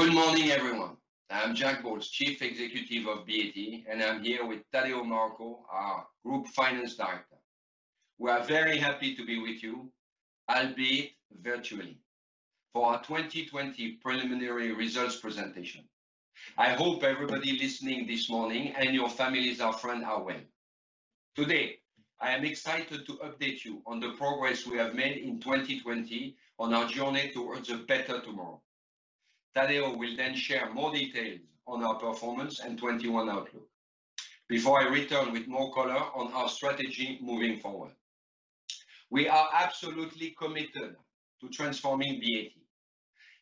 Good morning, everyone. I'm Jack Bowles, Chief Executive of BAT, and I'm here with Tadeu Marroco, our Group Finance Director. We are very happy to be with you, albeit virtually, for our 2020 preliminary results presentation. I hope everybody listening this morning and your families, our friend, are well. Today, I am excited to update you on the progress we have made in 2020 on our journey towards A Better Tomorrow. Tadeu will then share more details on our performance and 2021 outlook before I return with more color on our strategy moving forward. We are absolutely committed to transforming BAT.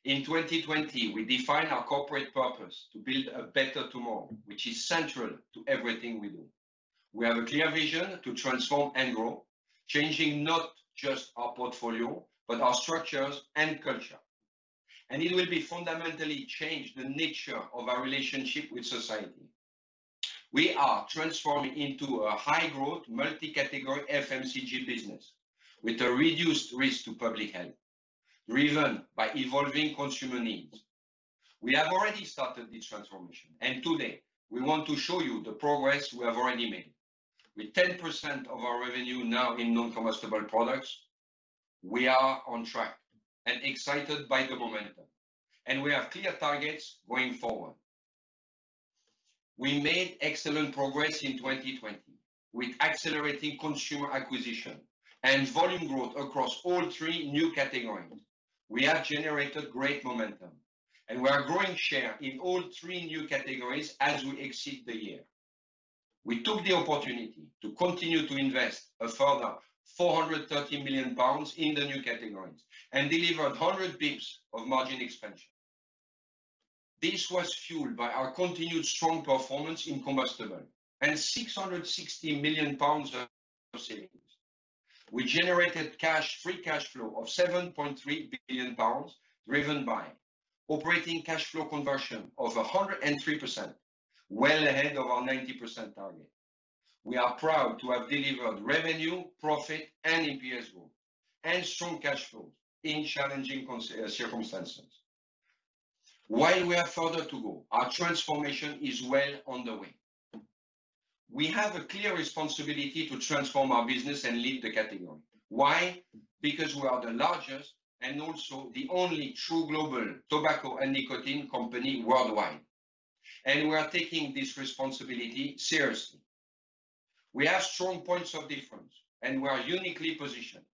In 2020, we defined our corporate purpose to build A Better Tomorrow, which is central to everything we do. We have a clear vision to transform and grow, changing not just our portfolio, but our structures and culture. It will be fundamentally change the nature of our relationship with society. We are transforming into a high-growth, multi-category FMCG business with a reduced risk to public health, driven by evolving consumer needs. We have already started this transformation, and today, we want to show you the progress we have already made. With 10% of our revenue now in non-combustible products, we are on track and excited by the momentum, and we have clear targets going forward. We made excellent progress in 2020 with accelerating consumer acquisition and volume growth across all three new categories. We have generated great momentum, and we are growing share in all three new categories as we exit the year. We took the opportunity to continue to invest a further 430 million pounds in the new categories and delivered 100 basis points of margin expansion. This was fueled by our continued strong performance in combustible and 660 million pounds of savings. We generated cash, free cash flow of 7.3 billion pounds, driven by operating cash flow conversion of 103%, well ahead of our 90% target. We are proud to have delivered revenue, profit, and EPS growth and strong cash flow in challenging circumstances. While we have further to go, our transformation is well underway. We have a clear responsibility to transform our business and lead the category. Why? Because we are the largest and also the only true global tobacco and nicotine company worldwide, and we are taking this responsibility seriously. We have strong points of difference, and we are uniquely positioned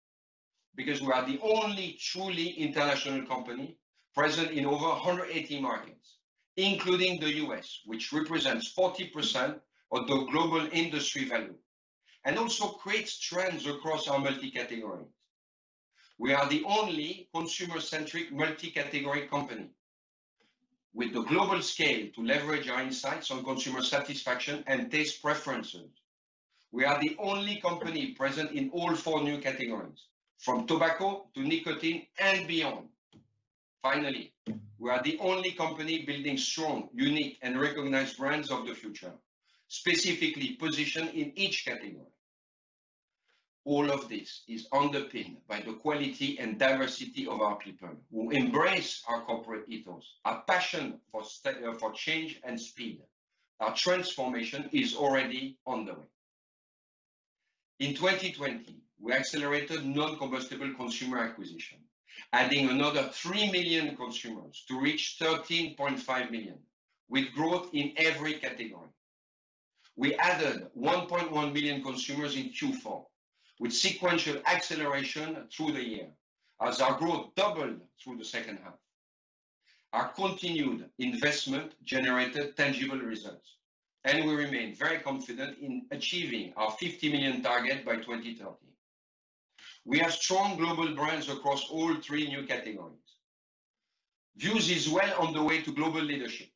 because we are the only truly international company present in over 180 markets, including the U.S., which represents 40% of the global industry value and also creates trends across our multi-categories. We are the only consumer-centric, multi-category company with the global scale to leverage our insights on consumer satisfaction and taste preferences. We are the only company present in all four new categories, from tobacco to nicotine and beyond. Finally, we are the only company building strong, unique, and recognized brands of the future, specifically positioned in each category. All of this is underpinned by the quality and diversity of our people who embrace our corporate ethos, our passion for change and speed. Our transformation is already underway. In 2020, we accelerated non-combustible consumer acquisition, adding another 3 million consumers to reach 13.5 million with growth in every category. We added 1.1 million consumers in Q4 with sequential acceleration through the year as our growth doubled through the second half. Our continued investment generated tangible results, and we remain very confident in achieving our 50 million target by 2030. We have strong global brands across all three new categories. Vuse is well on the way to global leadership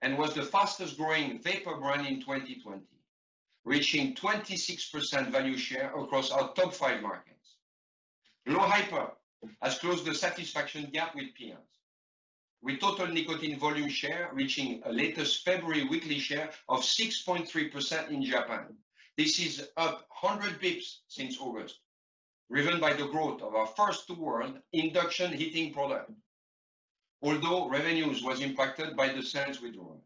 and was the fastest-growing vapor brand in 2020, reaching 26% value share across our Top 5 markets. glo Hyper has closed the satisfaction gap with PMI, with total nicotine volume share reaching a latest February weekly share of 6.3% in Japan. This is up 100 basis points since August, driven by the growth of our first-to-world induction heating product. Although revenues was impacted by the sales withdrawal.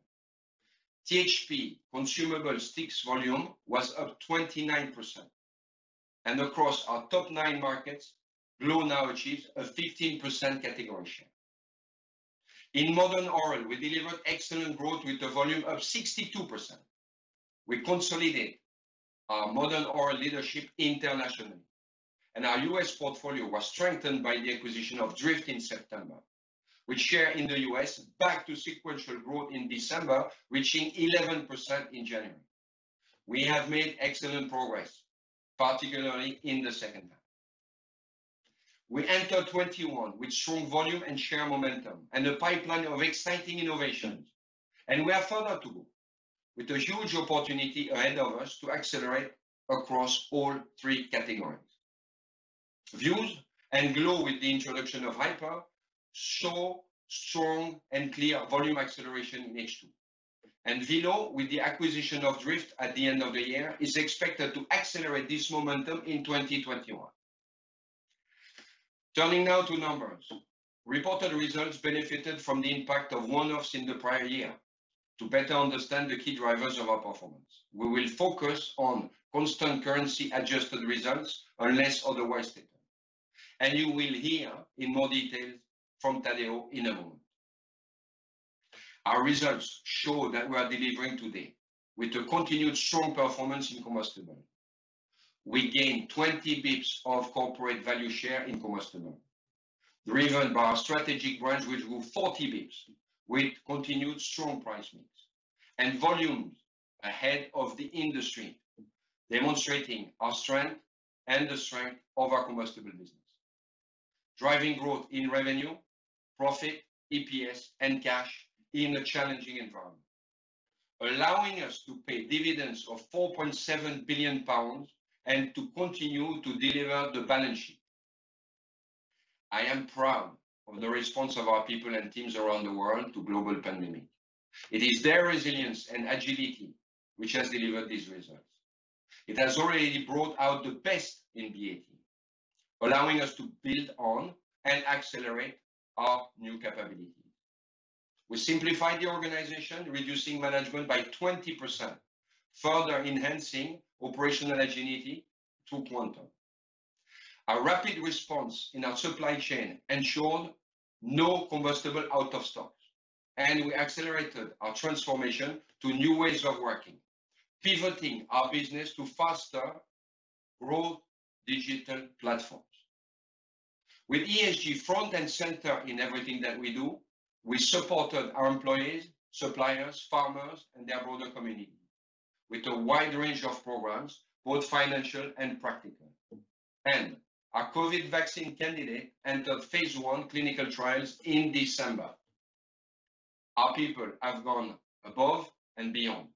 THP consumable sticks volume was up 29%, and across our Top 9 markets, glo now achieves a 15% category share. In Modern Oral, we delivered excellent growth with the volume up 62%. We consolidate our Modern Oral leadership internationally, and our U.S. portfolio was strengthened by the acquisition of Dryft in September. With share in the U.S. back to sequential growth in December, reaching 11% in January. We have made excellent progress, particularly in the second half. We enter 2021 with strong volume and share momentum and a pipeline of exciting innovations. We have further to go, with a huge opportunity ahead of us to accelerate across all three categories. Vuse and glo, with the introduction of Hyper, saw strong and clear volume acceleration in H2. Velo, with the acquisition of Dryft at the end of the year, is expected to accelerate this momentum in 2021. Turning now to numbers. Reported results benefited from the impact of one-offs in the prior year. To better understand the key drivers of our performance, we will focus on constant currency adjusted results unless otherwise stated. You will hear in more detail from Tadeu in a moment. Our results show that we are delivering today with a continued strong performance in combustible. We gained 20 bps of corporate value share in combustible, driven by our strategic brands, which grew 40 bps with continued strong price mix and volumes ahead of the industry, demonstrating our strength and the strength of our combustible business, driving growth in revenue, profit, EPS, and cash in a challenging environment, allowing us to pay dividends of 4.7 billion pounds and to continue to deliver the balance sheet. I am proud of the response of our people and teams around the world to global pandemic. It is their resilience and agility which has delivered these results. It has already brought out the best in BAT, allowing us to build on and accelerate our new capability. We simplified the organization, reducing management by 20%, further enhancing operational agility through Quantum. Our rapid response in our supply chain ensured no combustible out of stocks. We accelerated our transformation to new ways of working, pivoting our business to faster growth digital platforms. With ESG front and center in everything that we do, we supported our employees, suppliers, farmers, and their broader community with a wide range of programs, both financial and practical. Our COVID vaccine candidate entered phase I clinical trials in December. Our people have gone above and beyond,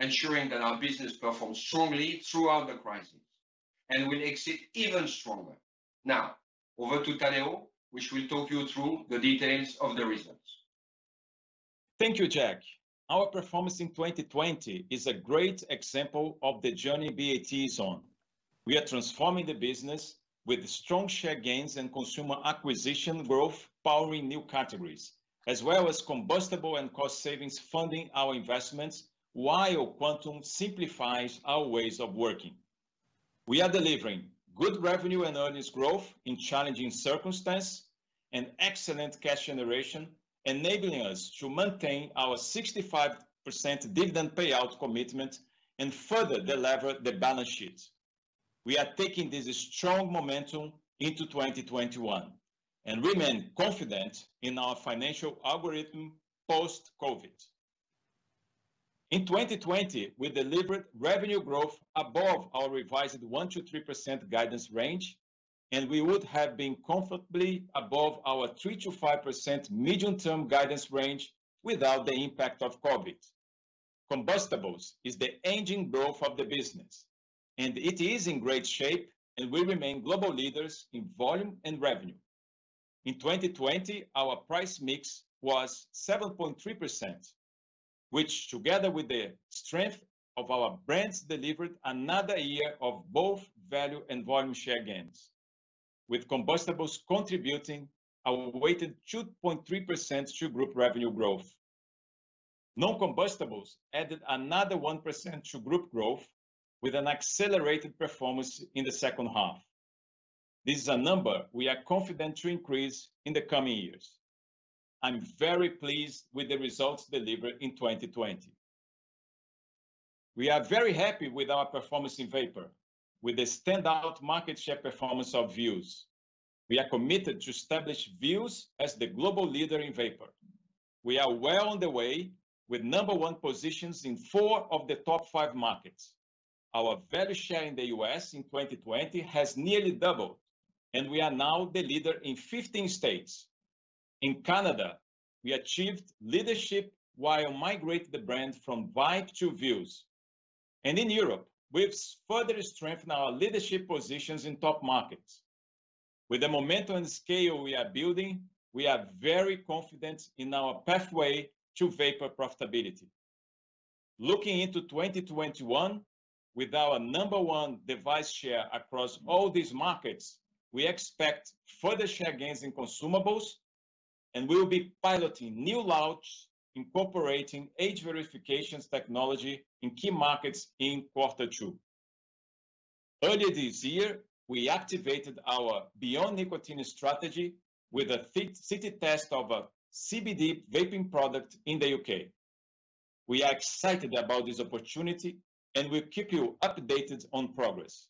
ensuring that our business performs strongly throughout the crisis and will exit even stronger. Over to Tadeu, who will talk you through the details of the results. Thank you, Jack. Our performance in 2020 is a great example of the journey BAT is on. We are transforming the business with strong share gains and consumer acquisition growth powering new categories, as well as combustible and cost savings funding our investments, while Quantum simplifies our ways of working. We are delivering good revenue and earnings growth in challenging circumstance and excellent cash generation, enabling us to maintain our 65% dividend payout commitment and further delever the balance sheet. We are taking this strong momentum into 2021 and remain confident in our financial algorithm post-COVID. In 2020, we delivered revenue growth above our revised 1%-3% guidance range, and we would have been comfortably above our 3%-5% medium-term guidance range without the impact of COVID. Combustibles is the engine growth of the business, and it is in great shape, and we remain global leaders in volume and revenue. In 2020, our price mix was 7.3%, which, together with the strength of our brands, delivered another year of both value and volume share gains, with combustibles contributing a weighted 2.3% to group revenue growth. Non-combustibles added another 1% to group growth with an accelerated performance in the second half. This is a number we are confident to increase in the coming years. I'm very pleased with the results delivered in 2020. We are very happy with our performance in vapor, with the standout market share performance of Vuse. We are committed to establish Vuse as the global leader in vapor. We are well on the way with number one positions in four of the Top 5 markets. Our value share in the U.S. in 2020 has nearly doubled. We are now the leader in 15 states. In Canada, we achieved leadership while migrating the brand from Vype to Vuse. In Europe, we've further strengthened our leadership positions in top markets. With the momentum and scale we are building, we are very confident in our pathway to vapor profitability. Looking into 2021, with our number one device share across all these markets, we expect further share gains in consumables, and we'll be piloting new launches incorporating age verifications technology in key markets in quarter two. Earlier this year, we activated our beyond nicotine strategy with a fit.city test of a CBD vaping product in the U.K. We are excited about this opportunity, and we'll keep you updated on progress.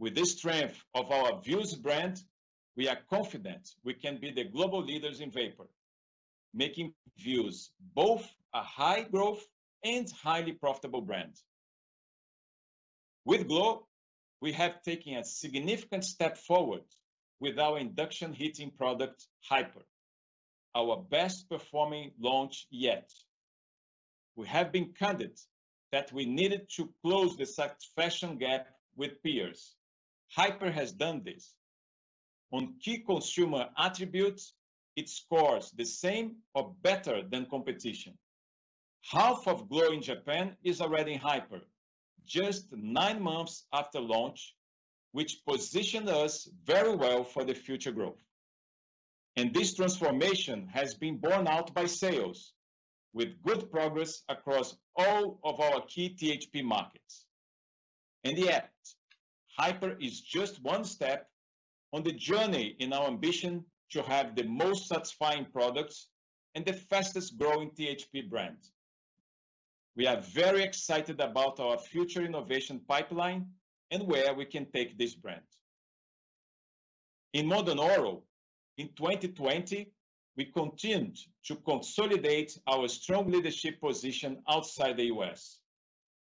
With the strength of our Vuse brand, we are confident we can be the global leaders in vapor, making Vuse both a high-growth and highly profitable brand. With glo, we have taken a significant step forward with our induction heating product, Hyper, our best-performing launch yet. We have been candid that we needed to close the satisfaction gap with peers. Hyper has done this. On key consumer attributes, it scores the same or better than competition. Half of glo in Japan is already in Hyper just nine months after launch, which positioned us very well for the future growth. This transformation has been borne out by sales, with good progress across all of our key THP markets. In the end, Hyper is just one step on the journey in our ambition to have the most satisfying products and the fastest-growing THP brand. We are very excited about our future innovation pipeline and where we can take this brand. In Modern Oral, in 2020, we continued to consolidate our strong leadership position outside the U.S.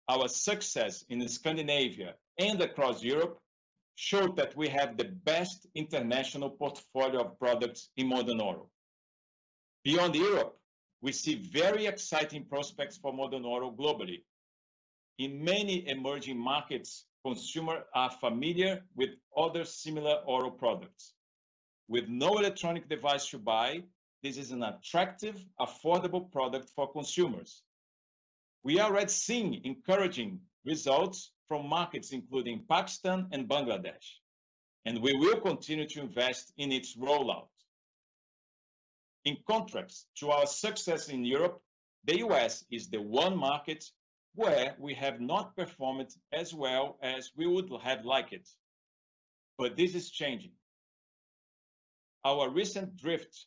Our success in Scandinavia and across Europe showed that we have the best international portfolio of products in Modern Oral. Beyond Europe, we see very exciting prospects for Modern Oral globally. In many emerging markets, consumers are familiar with other similar oral products. With no electronic device to buy, this is an attractive, affordable product for consumers. We are already seeing encouraging results from markets including Pakistan and Bangladesh, and we will continue to invest in its rollout. In contrast to our success in Europe, the U.S. is the one market where we have not performed as well as we would have liked it. This is changing. Our recent Dryft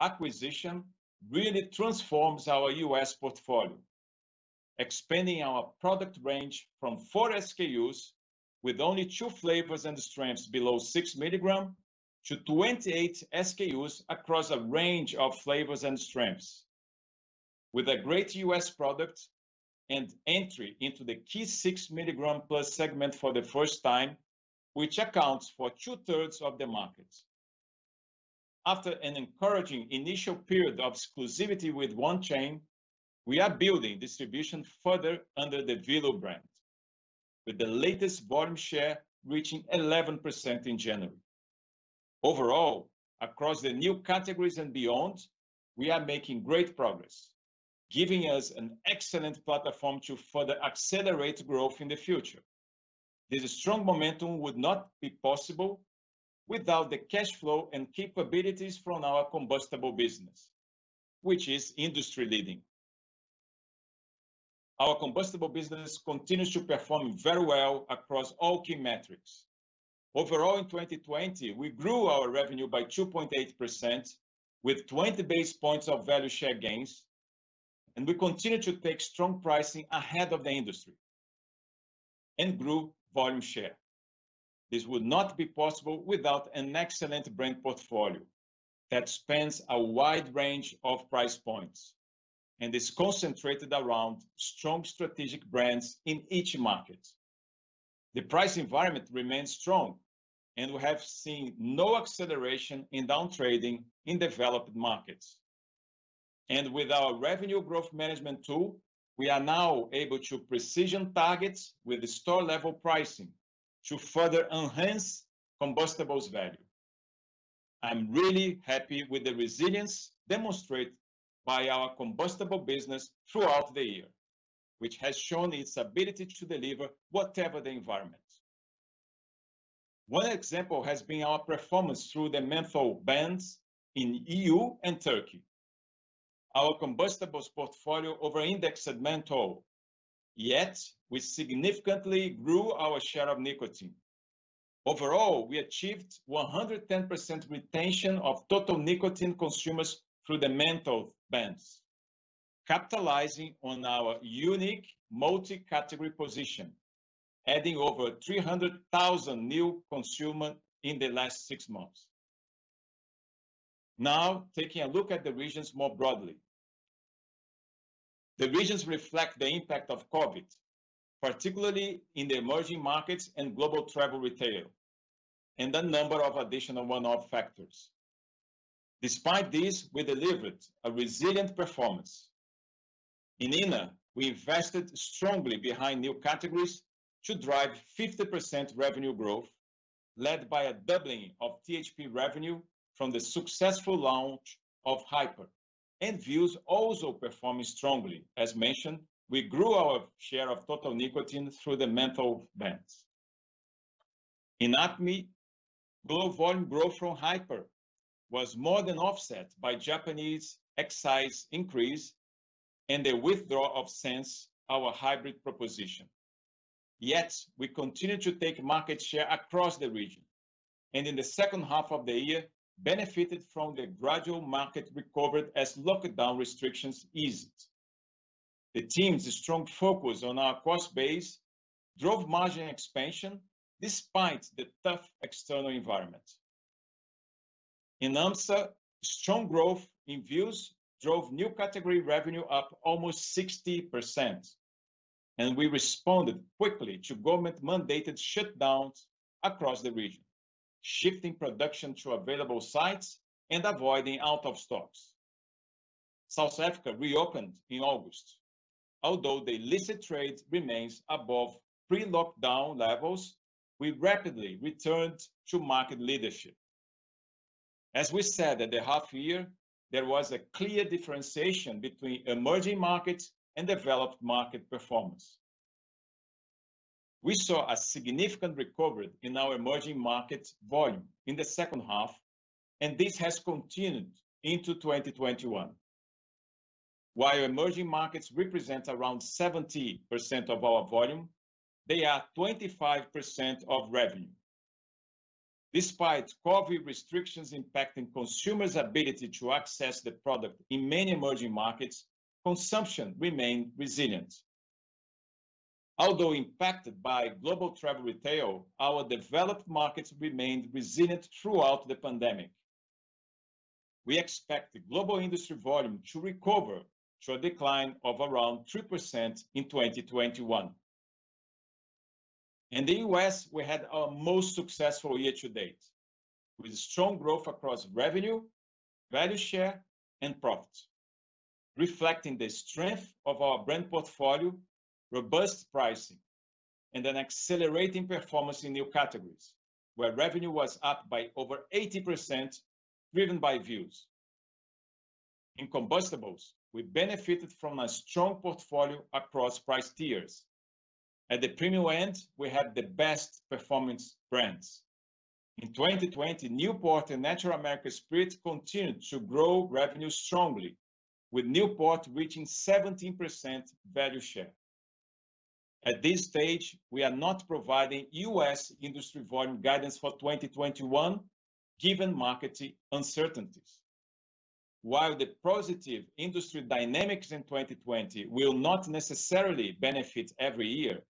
acquisition really transforms our U.S. portfolio, expanding our product range from four SKUs with only two flavors and strengths below 6 mg to 28 SKUs across a range of flavors and strengths. With a great U.S. product and entry into the key 6 mg plus segment for the first time, which accounts for 2/3 of the market. After an encouraging initial period of exclusivity with one chain, we are building distribution further under the Velo brand, with the latest volume share reaching 11% in January. Overall, across the new categories and beyond, we are making great progress, giving us an excellent platform to further accelerate growth in the future. This strong momentum would not be possible without the cash flow and capabilities from our combustible business, which is industry-leading. Our combustible business continues to perform very well across all key metrics. Overall, in 2020, we grew our revenue by 2.8%, with 20 basis points of value share gains. We continued to take strong pricing ahead of the industry and grew volume share. This would not be possible without an excellent brand portfolio that spans a wide range of price points and is concentrated around strong strategic brands in each market. The price environment remains strong. We have seen no acceleration in down trading in developed markets. With our revenue growth management tool, we are now able to precision targets with store-level pricing to further enhance combustibles' value. I'm really happy with the resilience demonstrated by our combustible business throughout the year, which has shown its ability to deliver whatever the environment. One example has been our performance through the menthol bans in the E.U. and Turkey. Our combustibles portfolio over-indexed menthol, yet we significantly grew our share of nicotine. Overall, we achieved 110% retention of total nicotine consumers through the menthol bans, capitalizing on our unique multi-category position, adding over 300,000 new consumers in the last six months. Taking a look at the regions more broadly. The regions reflect the impact of COVID, particularly in the emerging markets and global travel retail, and the number of additional one-off factors. Despite this, we delivered a resilient performance. In ENA, we invested strongly behind new categories to drive 50% revenue growth, led by a doubling of THP revenue from the successful launch of Hyper and Vuse also performing strongly. As mentioned, we grew our share of total nicotine through the menthol bans. In APME, glo volume growth from Hyper was more than offset by Japanese excise increase and the withdrawal of glo sens, our hybrid proposition. Yet, we continued to take market share across the region, and in the second half of the year, benefited from the gradual market recovery as lockdown restrictions eased. The team's strong focus on our cost base drove margin expansion despite the tough external environment. In AmSSA, strong growth in Vuse drove new category revenue up almost 60%, and we responded quickly to government-mandated shutdowns across the region, shifting production to available sites and avoiding out-of-stocks. South Africa reopened in August. Although the illicit trade remains above pre-lockdown levels, we rapidly returned to market leadership. As we said at the half year, there was a clear differentiation between emerging markets and developed market performance. We saw a significant recovery in our emerging markets volume in the second half, and this has continued into 2021. While emerging markets represent around 70% of our volume, they are 25% of revenue. Despite COVID restrictions impacting consumers' ability to access the product in many emerging markets, consumption remained resilient. Although impacted by global travel retail, our developed markets remained resilient throughout the pandemic. We expect the global industry volume to recover to a decline of around 3% in 2021. In the U.S., we had our most successful year to date, with strong growth across revenue, value share, and profit, reflecting the strength of our brand portfolio, robust pricing, and an accelerating performance in new categories, where revenue was up by over 80%, driven by Vuse. In Combustibles, we benefited from a strong portfolio across price tiers. At the premium end, we had the best performance brands. In 2020, Newport and Natural American Spirit continued to grow revenue strongly, with Newport reaching 17% value share. At this stage, we are not providing U.S. industry volume guidance for 2021, given market uncertainties. While the positive industry dynamics in 2020 will not necessarily benefit every year,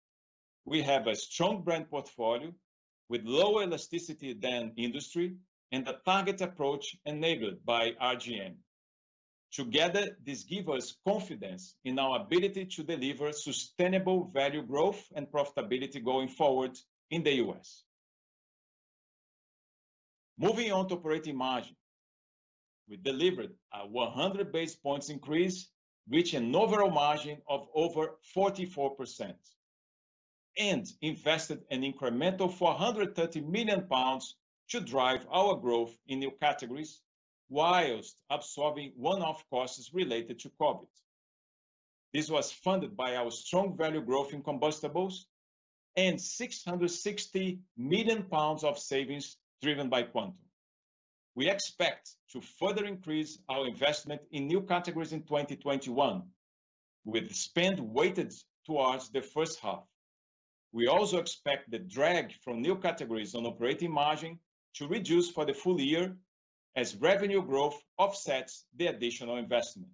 we have a strong brand portfolio with lower elasticity than industry and a target approach enabled by RGM. Together, this give us confidence in our ability to deliver sustainable value growth and profitability going forward in the U.S. Moving on to operating margin. We delivered a 100 basis points increase, reaching an overall margin of over 44%, and invested an incremental 430 million pounds to drive our growth in new categories whilst absorbing one-off costs related to COVID. This was funded by our strong value growth in Combustibles and 660 million pounds of savings driven by Quantum. We expect to further increase our investment in new categories in 2021, with spend weighted towards the first half. We also expect the drag from new categories on operating margin to reduce for the full year as revenue growth offsets the additional investment.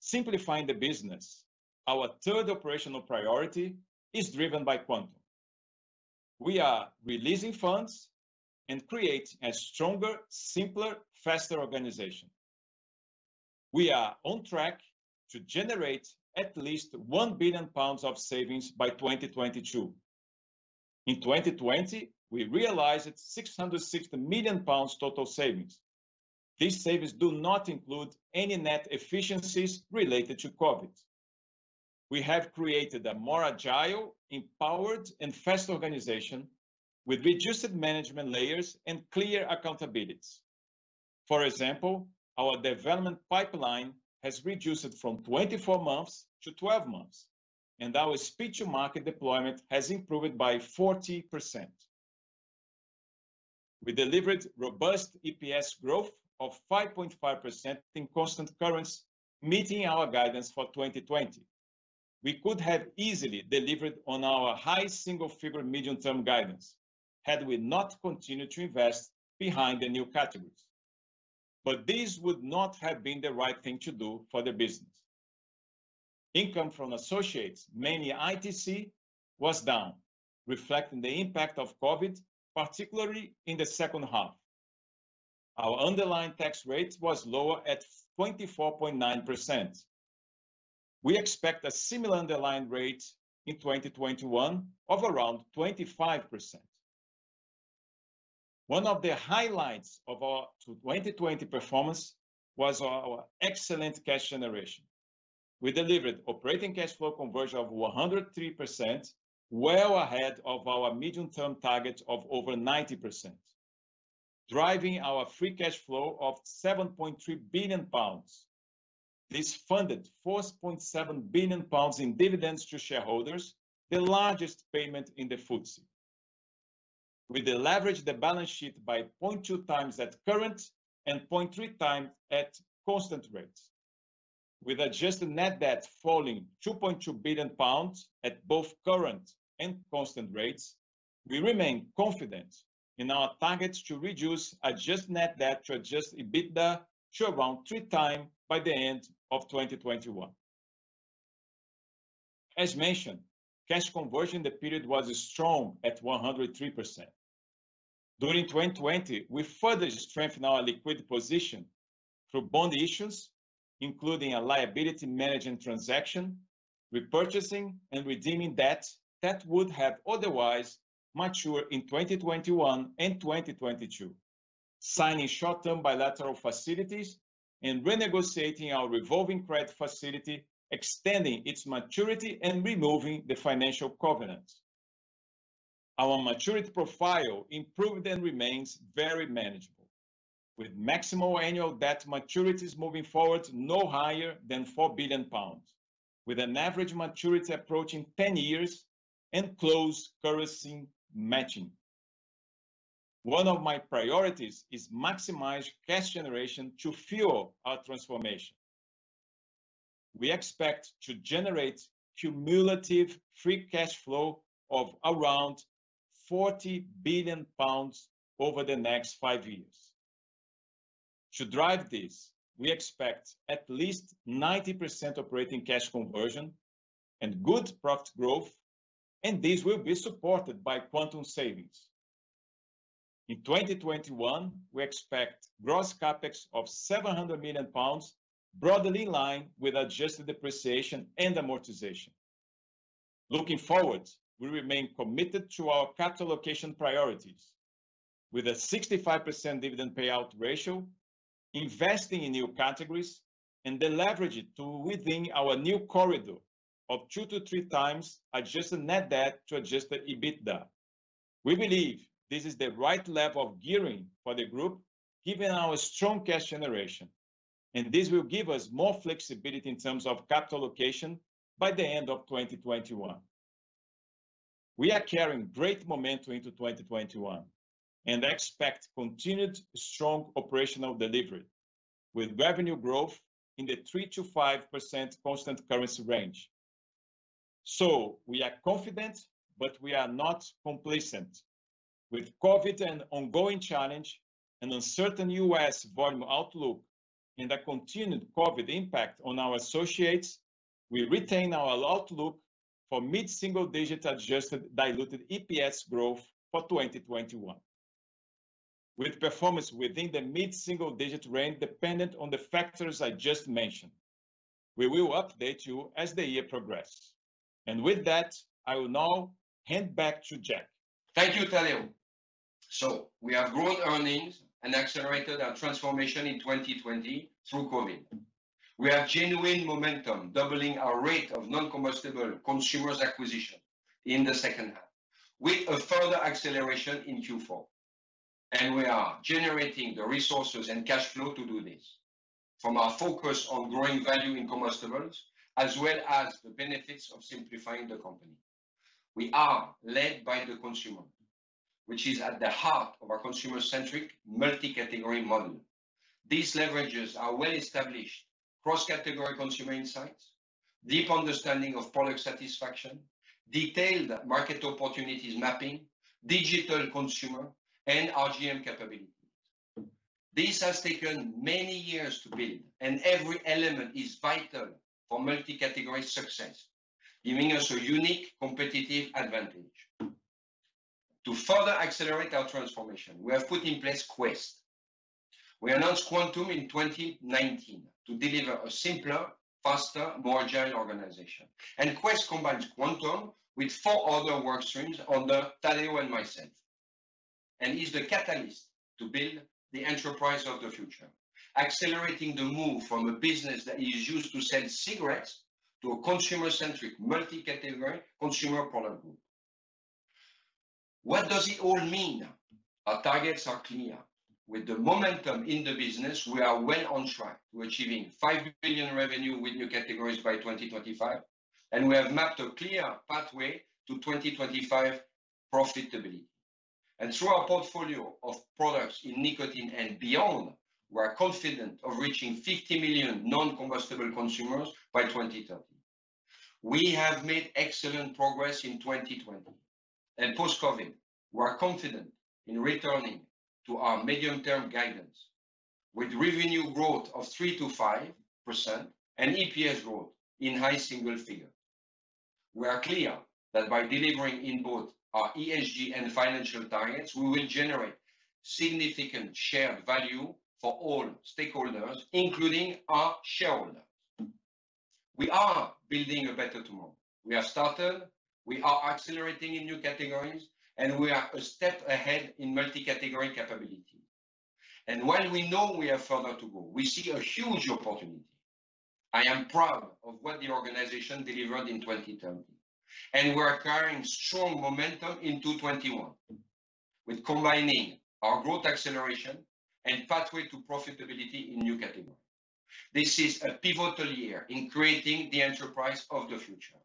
Simplifying the business, our third operational priority, is driven by Quantum. We are releasing funds and create a stronger, simpler, faster organization. We are on track to generate at least 1 billion pounds of savings by 2022. In 2020, we realized 660 million pounds total savings. These savings do not include any net efficiencies related to COVID. We have created a more agile, empowered, and faster organization with reduced management layers and clear accountabilities. For example, our development pipeline has reduced from 24 months to 12 months, and our speed-to-market deployment has improved by 40%. We delivered robust EPS growth of 5.5% in constant currency, meeting our guidance for 2020. We could have easily delivered on our high-single-figure medium-term guidance had we not continued to invest behind the new categories, but this would not have been the right thing to do for the business. Income from associates, mainly ITC, was down, reflecting the impact of COVID, particularly in the second half. Our underlying tax rate was lower at 24.9%. We expect a similar underlying rate in 2021 of around 25%. One of the highlights of our 2020 performance was our excellent cash generation. We delivered operating cash flow conversion of 103%, well ahead of our medium-term target of over 90%, driving our free cash flow of 7.3 billion pounds. This funded 4.7 billion pounds in dividends to shareholders, the largest payment in the FTSE. We deleveraged the balance sheet by 2x at current and 3x at constant rates. With adjusted net debt falling 2.2 billion pounds at both current and constant rates, we remain confident in our target to reduce adjusted net debt to adjusted EBITDA to around 3x by the end of 2021. As mentioned, cash conversion in the period was strong at 103%. During 2020, we further strengthened our liquid position through bond issues, including a liability management transaction repurchasing and redeeming debt that would have otherwise matured in 2021 and 2022, signing short-term bilateral facilities and renegotiating our revolving credit facility, extending its maturity and removing the financial covenants. Our maturity profile improved and remains very manageable, with maximum annual debt maturities moving forward no higher than 4 billion pounds, with an average maturity approaching 10 years and close currency matching. One of my priorities is maximize cash generation to fuel our transformation. We expect to generate cumulative free cash flow of around 40 billion pounds over the next five years. To drive this, we expect at least 90% operating cash conversion and good profit growth, and this will be supported by Quantum savings. In 2021, we expect gross CapEx of 700 million pounds, broadly in line with adjusted depreciation and amortization. Looking forward, we remain committed to our capital allocation priorities, with a 65% dividend payout ratio, investing in new categories, and the leverage to within our new corridor of 2-3x adjusted net debt to adjusted EBITDA. We believe this is the right level of gearing for the group, given our strong cash generation, and this will give us more flexibility in terms of capital allocation by the end of 2021. We are carrying great momentum into 2021 and expect continued strong operational delivery with revenue growth in the 3%-5% constant currency range. We are confident, but we are not complacent. With COVID an ongoing challenge, an uncertain U.S. volume outlook, and a continued COVID impact on our associates, we retain our outlook for mid-single-digit adjusted diluted EPS growth for 2021. With performance within the mid-single-digit range dependent on the factors I just mentioned. We will update you as the year progresses. With that, I will now hand back to Jack. Thank you, Tadeu. We have grown earnings and accelerated our transformation in 2020 through COVID. We have genuine momentum, doubling our rate of non-combustible consumers acquisition in the second half, with a further acceleration in Q4. We are generating the resources and cash flow to do this from our focus on growing value in combustibles, as well as the benefits of simplifying the company. We are led by the consumer, which is at the heart of our consumer-centric, multi-category model. These leverages our well-established cross-category consumer insights, deep understanding of product satisfaction, detailed market opportunities mapping, digital consumer and RGM capability. This has taken many years to build, and every element is vital for multi-category success, giving us a unique competitive advantage. To further accelerate our transformation, we have put in place Quest. We announced Quantum in 2019 to deliver a simpler, faster, more agile organization. Quest combines Quantum with four other workstreams under Tadeu and myself, and is the catalyst to build the enterprise of the future, accelerating the move from a business that is used to sell cigarettes to a consumer-centric, multi-category consumer product group. What does it all mean? Our targets are clear. With the momentum in the business, we are well on track to achieving 5 billion revenue with new categories by 2025, and we have mapped a clear pathway to 2025 profitability. Through our portfolio of products in nicotine and beyond, we are confident of reaching 50 million non-combustible consumers by 2030. We have made excellent progress in 2020 and post-COVID. We are confident in returning to our medium-term guidance with revenue growth of 3%-5% and EPS growth in high-single-figure. We are clear that by delivering in both our ESG and financial targets, we will generate significant shared value for all stakeholders, including our shareholders. We are building A Better tomorrow. We have started, we are accelerating in new categories, we are a step ahead in multi-category capability. While we know we have further to go, we see a huge opportunity. I am proud of what the organization delivered in 2020, and we're carrying strong momentum into 2021 with combining our growth acceleration and pathway to profitability in new categories. This is a pivotal year in creating the enterprise of the future.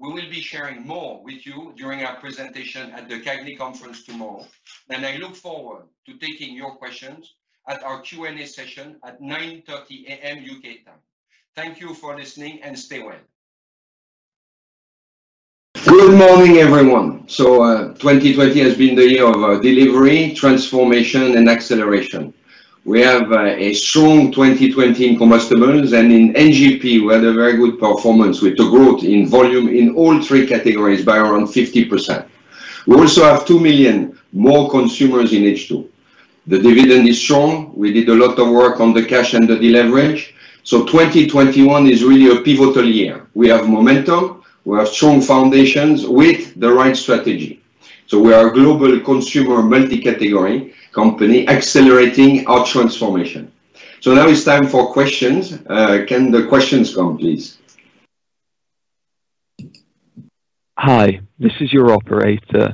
We will be sharing more with you during our presentation at the CAGNY conference tomorrow, I look forward to taking your questions at our Q&A session at 9:30 A.M. U.K. time. Thank you for listening, stay well. Good morning, everyone. 2020 has been the year of delivery, transformation, and acceleration. We have a strong 2020 in combustibles, and in NGP, we had a very good performance with the growth in volume in all three categories by around 50%. We also have 2 million more consumers in H2. The dividend is strong. We did a lot of work on the cash and the leverage. 2021 is really a pivotal year. We have momentum, we have strong foundations with the right strategy. We are a global consumer multi-category company accelerating our transformation. Now it's time for questions. Can the questions come, please? Hi, this is your operator.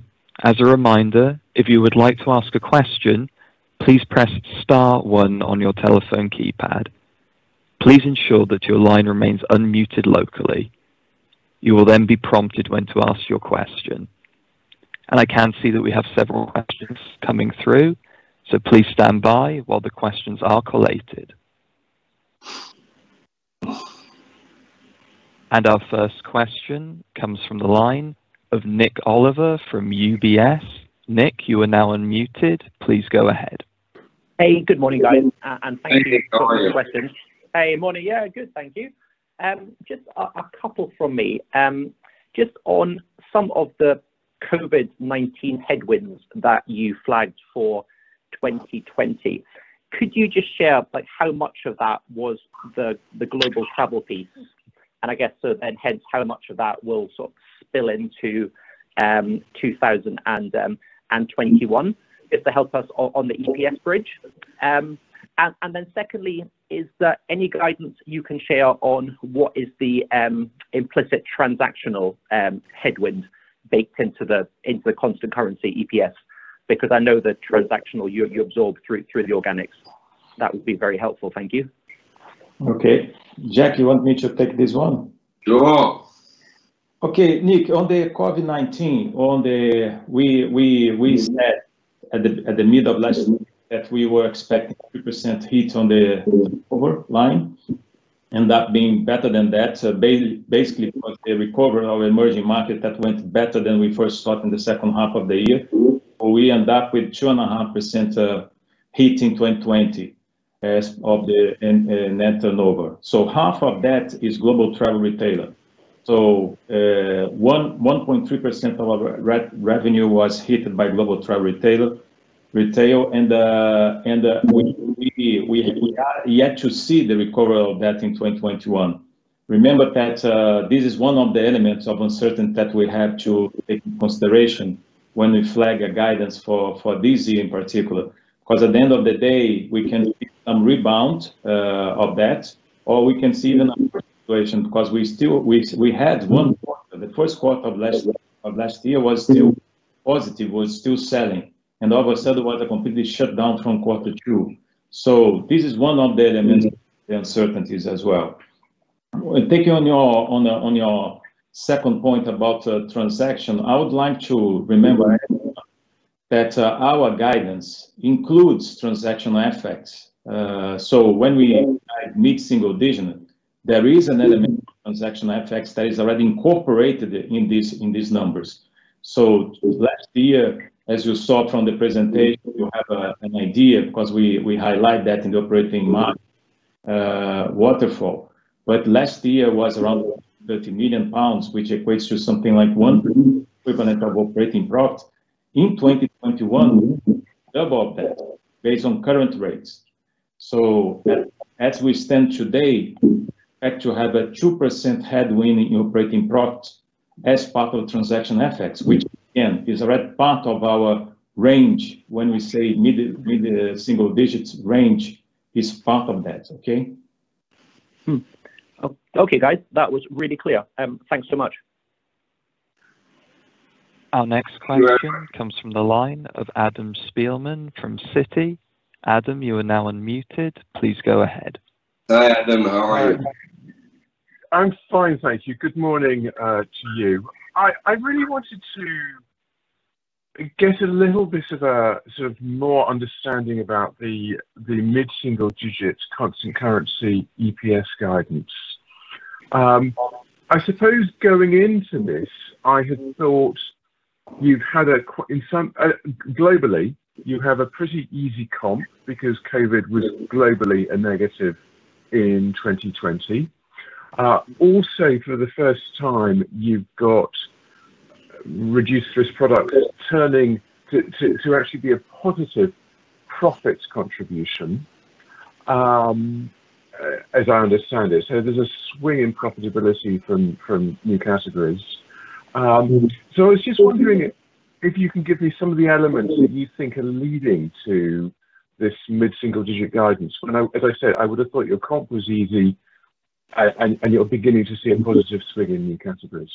As a reminder, if you would like to ask a question, please press star one on your telephone keypad. Please ensure that your line remains unmuted locally. You will then be prompted when to ask your question. I can see that we have several questions coming through, so please stand by while the questions are collated. Our first question comes from the line of Nik Oliver from UBS. Nik, you are now unmuted. Please go ahead. Hey, good morning, guys. Thank you for taking our question. Hey, Nik. How are you? Hey, morning. Yeah, good, thank you. Just a couple from me. Just on some of the COVID-19 headwinds that you flagged for 2020, could you just share how much of that was the global travel piece? I guess so then hence how much of that will sort of spill into 2021? If they help us on the EPS bridge. Secondly, is there any guidance you can share on what is the implicit transactional headwind baked into the constant currency EPS? Because I know the transactional you absorb through the organics. That would be very helpful. Thank you. Okay. Jack, you want me to take this one? Sure. Okay, Nik, on the COVID-19, We said at the mid of last week that we were expecting 3% hit on the turnover line, end up being better than that. Basically, it was a recovery of emerging market that went better than we first thought in the second half of the year. We end up with 2.5% hit in 2020 as of the net turnover. Half of that is Global Travel Retailer. 1.3% of our revenue was hit by Global Travel Retail, and we are yet to see the recovery of that in 2021. Remember that this is one of the elements of uncertainty that we have to take in consideration when we flag a guidance for this year in particular. At the end of the day, we can see some rebound of that, or we can see even upward situation because we had one quarter. The first quarter of last year was still positive, was still selling, and all of a sudden was a completely shut down from quarter two. This is one of the elements of the uncertainties as well. Taking on your second point about transaction, I would like to remember everyone that our guidance includes transactional effects. When we highlight mid-single-digit, there is an element of transaction effects that is already incorporated in these numbers. Last year, as you saw from the presentation, you have an idea because we highlight that in the operating model waterfall. Last year was around 30 million pounds, which equates to something like one equivalent of operating profit. In 2021, double that based on current rates. As we stand today, we actually have a 2% headwind in operating profit as part of transaction effects, which again, is already part of our range when we say mid-single-digits range is part of that, okay? Okay, guys. That was really clear. Thanks so much. Our next question comes from the line of Adam Spielman from Citi. Adam, you are now unmuted. Please go ahead. Hi, Adam. How are you? I'm fine, thank you. Good morning to you. I really wanted to get a little bit of a sort of more understanding about the mid-single-digits constant currency EPS guidance. I suppose going into this, I had thought globally, you have a pretty easy comp because COVID was globally a negative in 2020. For the first time, you've got reduced risk product turning to actually be a positive profits contribution, as I understand it. There's a swing in profitability from new categories. I was just wondering if you can give me some of the elements that you think are leading to this mid-single-digit guidance. As I said, I would have thought your comp was easy and you're beginning to see a positive swing in new categories.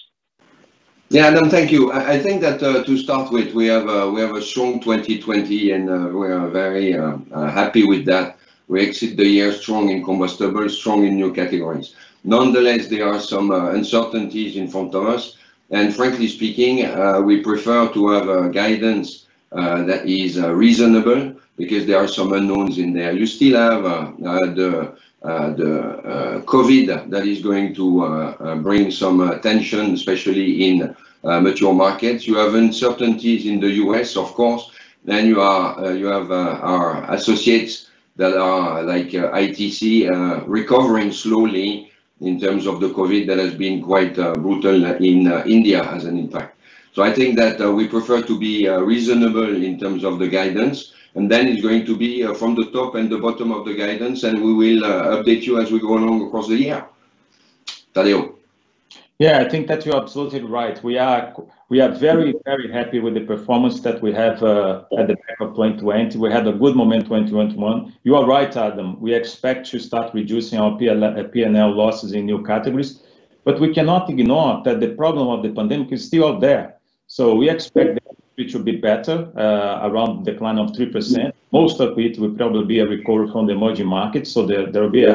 Yeah, Adam, thank you. I think that to start with, we have a strong 2020 and we are very happy with that. We exit the year strong in combustible, strong in new categories. Nonetheless, there are some uncertainties in front of us. Frankly speaking, we prefer to have a guidance that is reasonable because there are some unknowns in there. You still have the COVID that is going to bring some attention, especially in mature markets. You have uncertainties in the U.S., of course. You have our associates that are, like ITC, recovering slowly in terms of the COVID that has been quite brutal in India has an impact. I think that we prefer to be reasonable in terms of the guidance, and then it's going to be from the top and the bottom of the guidance, and we will update you as we go along across the year. Tadeu? Yeah, I think that you're absolutely right. We are very happy with the performance that we have at the back of 2020. We had a good momentum 2021. You are right, Adam, we expect to start reducing our P&L losses in new categories, but we cannot ignore that the problem of the pandemic is still there. We expect it to be better, around decline of 3%. Most of it will probably be recorded from the emerging markets. There will be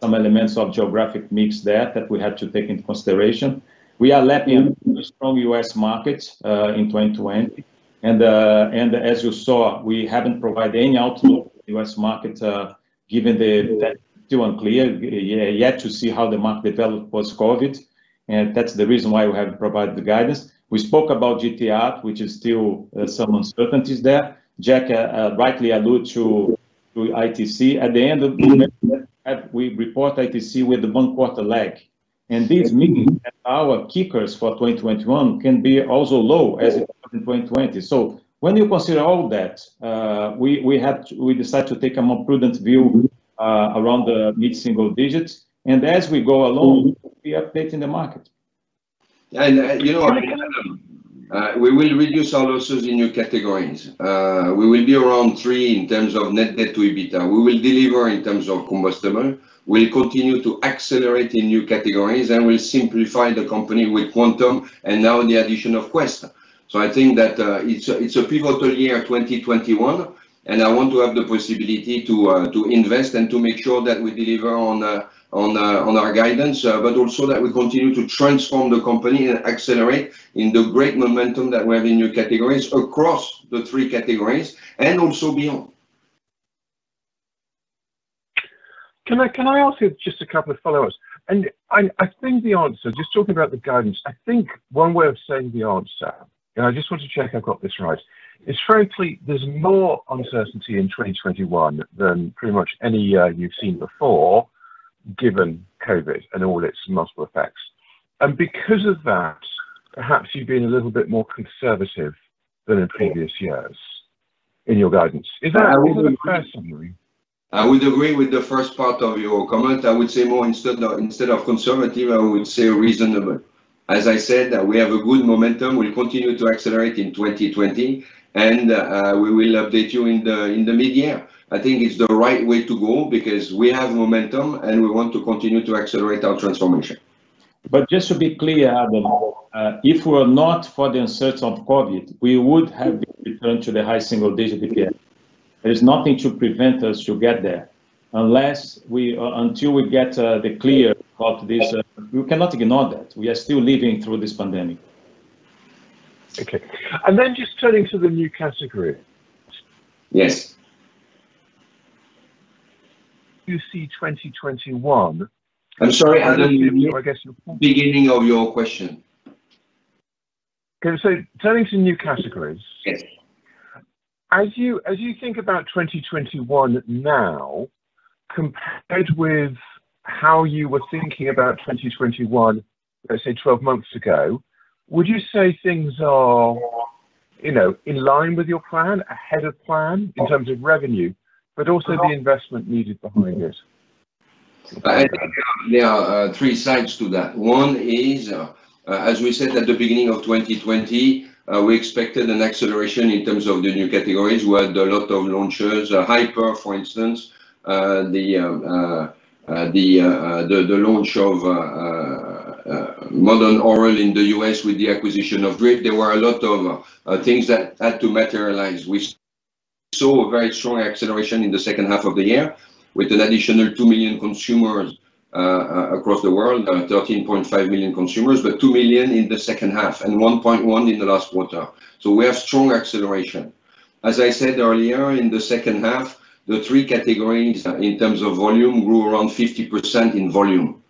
some elements of geographic mix there that we had to take into consideration. We are strong U.S. markets, in 2020, and as you saw, we haven't provided any outlook for U.S. market, given that too unclear yet to see how the market develop post-COVID, and that's the reason why we haven't provided the guidance. We spoke about GTR, which is still some uncertainties there. Jack rightly allude to ITC. We report ITC with one quarter lag. This means that our kickers for 2021 can be also low as it was in 2020. When you consider all that, we decide to take a more prudent view around the mid-single-digits, and as we go along, we update in the market. You know, Adam, we will reduce our losses in new categories. We will be around three in terms of net debt to EBITDA. We will deliver in terms of combustible. We will continue to accelerate in new categories, and we will simplify the company with Quantum, and now the addition of Quest. I think that it is a pivotal year, 2021, and I want to have the possibility to invest and to make sure that we deliver on our guidance, but also that we continue to transform the company and accelerate in the great momentum that we have in new categories across the three categories, and also beyond. Can I ask you just a couple of follow-ups? I think the answer, just talking about the guidance, I think one way of saying the answer, and I just want to check I've got this right, is frankly, there's more uncertainty in 2021 than pretty much any year you've seen before, given COVID and all its multiple effects. Because of that, perhaps you're being a little bit more conservative than in previous years in your guidance. Is that a reasonable summary? I would agree with the first part of your comment. I would say more instead of conservative, I would say reasonable. As I said, we have a good momentum. We will continue to accelerate in 2020, and we will update you in the mid-year. I think it is the right way to go because we have momentum, and we want to continue to accelerate our transformation. Just to be clear, Adam, if it were not for the uncertainty of COVID, we would have returned to the high-single-digit EBITDA. There is nothing to prevent us to get there. Until we get the clear of this, we cannot ignore that. We are still living through this pandemic. Okay. Just turning to the new categories. Yes. You see 2021. I'm sorry, Adam, the beginning of your question. Okay, turning to new categories. Yes. As you think about 2021 now, compared with how you were thinking about 2021, let's say 12 months ago, would you say things are in line with your plan, ahead of plan in terms of revenue, but also the investment needed behind it? I think there are three sides to that. One is, as we said at the beginning of 2020, we expected an acceleration in terms of the new categories. We had a lot of launches, Hyper, for instance. The launch of Modern Oral in the U.S. with the acquisition of Dryft. There were a lot of things that had to materialize. We saw a very strong acceleration in the second half of the year with an additional 2 million consumers across the world. 13.5 million consumers, 2 million in the second half, and 1.1 in the last quarter. We have strong acceleration. As I said earlier, in the second half, the three categories in terms of volume grew around 50% in volume.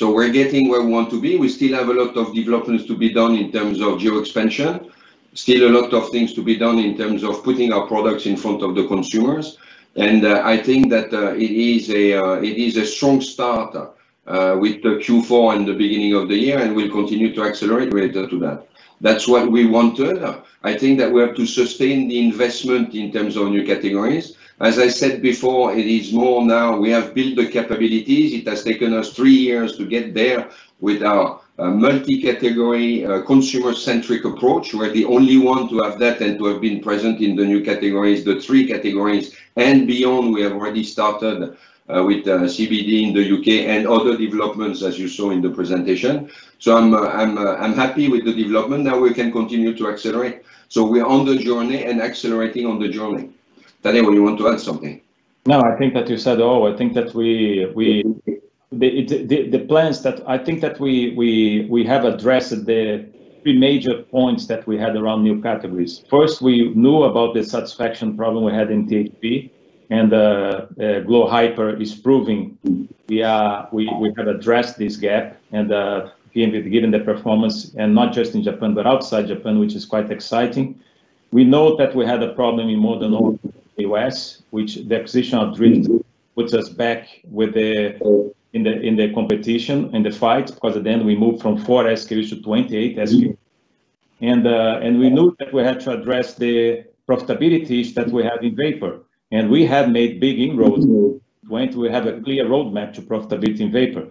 We're getting where we want to be. We still have a lot of developments to be done in terms of geo expansion. Still a lot of things to be done in terms of putting our products in front of the consumers. I think that it is a strong start with the Q4 and the beginning of the year, and we'll continue to accelerate further to that. That's what we wanted. I think that we have to sustain the investment in terms of new categories. As I said before, it is more now we have built the capabilities. It has taken us three years to get there with our multi-category, consumer-centric approach. We're the only one to have that and to have been present in the new categories, the three categories and beyond. We have already started with CBD in the U.K. and other developments as you saw in the presentation. I'm happy with the development. Now we can continue to accelerate. We're on the journey and accelerating on the journey. Tadeu, you want to add something? No, I think that you said it all. I think that we have addressed the three major points that we had around new categories. First, we knew about the satisfaction problem we had in THP, glo Hyper is proving we have addressed this gap and given the performance, not just in Japan, but outside Japan, which is quite exciting. We know that we had a problem in Modern Oral U.S., which the acquisition of Dryft puts us back in the competition, in the fight, because at the end, we moved from four SKUs to 28 SKUs. We knew that we had to address the profitabilities that we had in Vapor. We have made big inroads. We have a clear roadmap to profitability in Vapor.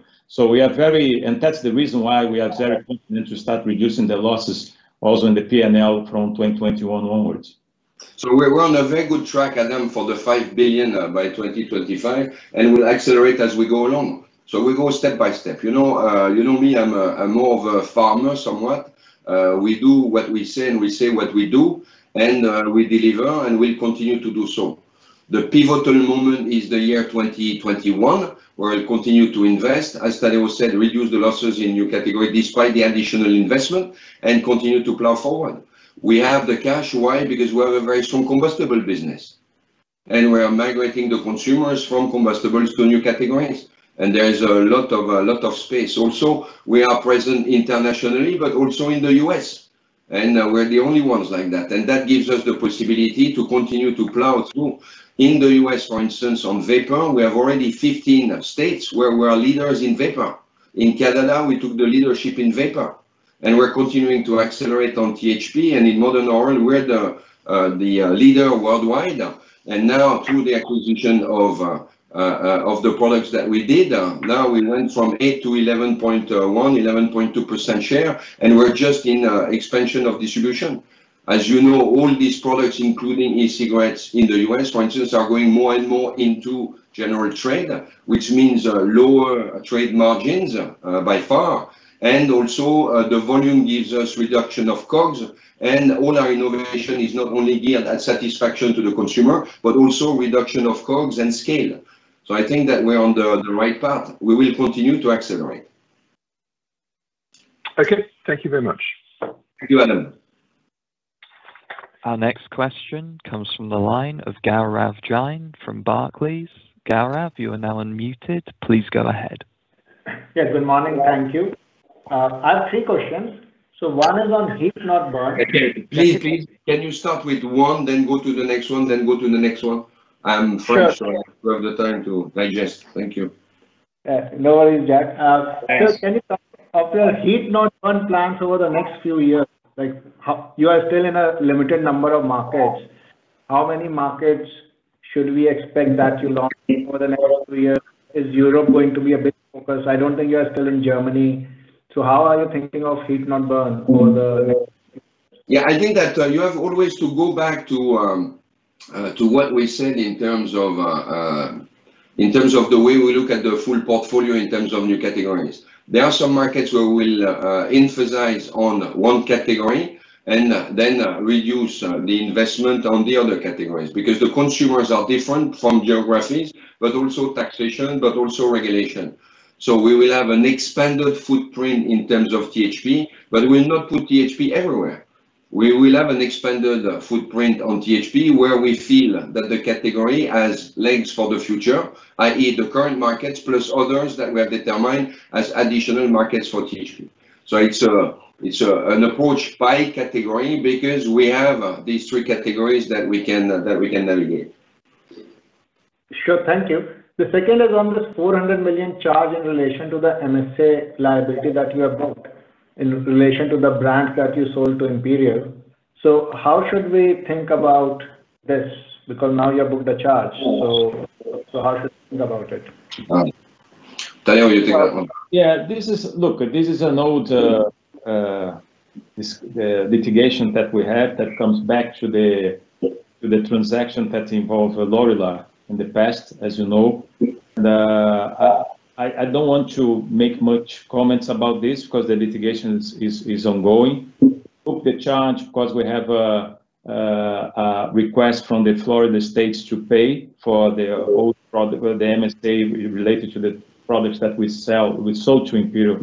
That's the reason why we are very confident to start reducing the losses also in the P&L from 2021 onwards. We're on a very good track, Adam, for the 5 billion by 2025, and we'll accelerate as we go along. We go step by step. You know me, I'm more of a farmer somewhat. We do what we say, and we say what we do, and we deliver, and we'll continue to do so. The pivotal moment is the year 2021, where we'll continue to invest. As Tadeu said, reduce the losses in new category despite the additional investment, and continue to plow forward. We have the cash. Why? Because we have a very strong combustible business, and we are migrating the consumers from combustibles to new categories. There is a lot of space. We are present internationally, but also in the U.S., and we're the only ones like that. That gives us the possibility to continue to plow through. In the U.S., for instance, on vapor, we have already 15 states where we are leaders in vapor. In Canada, we took the leadership in vapor, we're continuing to accelerate on THP. In Modern Oral, we're the leader worldwide. Now through the acquisition of the products that we did, now we went from 8%-11.1%, 11.2% share, and we're just in expansion of distribution. As you know, all these products, including e-cigarettes in the U.S., for instance, are going more and more into general trade, which means lower trade margins by far. Also, the volume gives us reduction of COGS. All our innovation is not only geared at satisfaction to the consumer, but also reduction of COGS and scale. I think that we're on the right path. We will continue to accelerate. Okay. Thank you very much. Thank you, Adam. Our next question comes from the line of Gaurav Jain from Barclays. Gaurav, you are now unmuted. Please go ahead. Yeah, good morning. Thank you. I have three questions. One is on heat not burn- Okay. Please, can you start with one, then go to the next one, then go to the next one? Sure. I'm French, so I have the time to digest. Thank you. Yeah. No worries, Jack. Thanks. Can you talk of your heat not burn plans over the next few years? You are still in a limited number of markets. How many markets should we expect that you launch in over the next few years? Is Europe going to be a big focus? I don't think you are still in Germany. How are you thinking of heat not burn? I think that you have always to go back to what we said in terms of the way we look at the full portfolio in terms of new categories. There are some markets where we'll emphasize on one category and then reduce the investment on the other categories. The consumers are different from geographies, but also taxation, but also regulation. We will have an expanded footprint in terms of THP, but we'll not put THP everywhere. We will have an expanded footprint on THP where we feel that the category has legs for the future, i.e. the current markets plus others that we have determined as additional markets for THP. It's an approach by category because we have these three categories that we can navigate. Sure. Thank you. The second is on this 400 million charge in relation to the MSA liability that you have booked in relation to the brands that you sold to Imperial. How should we think about this? Now you have booked the charge, how should we think about it? Tadeu, you take that one. Look, this is an old litigation that we had that comes back to the transaction that involved Lorillard. In the past, as you know. I do not want to make much comments about this because the litigation is ongoing. We booked the charge because we have a request from the Florida states to pay for the old product, well, the MSA related to the products that we sold to Imperial,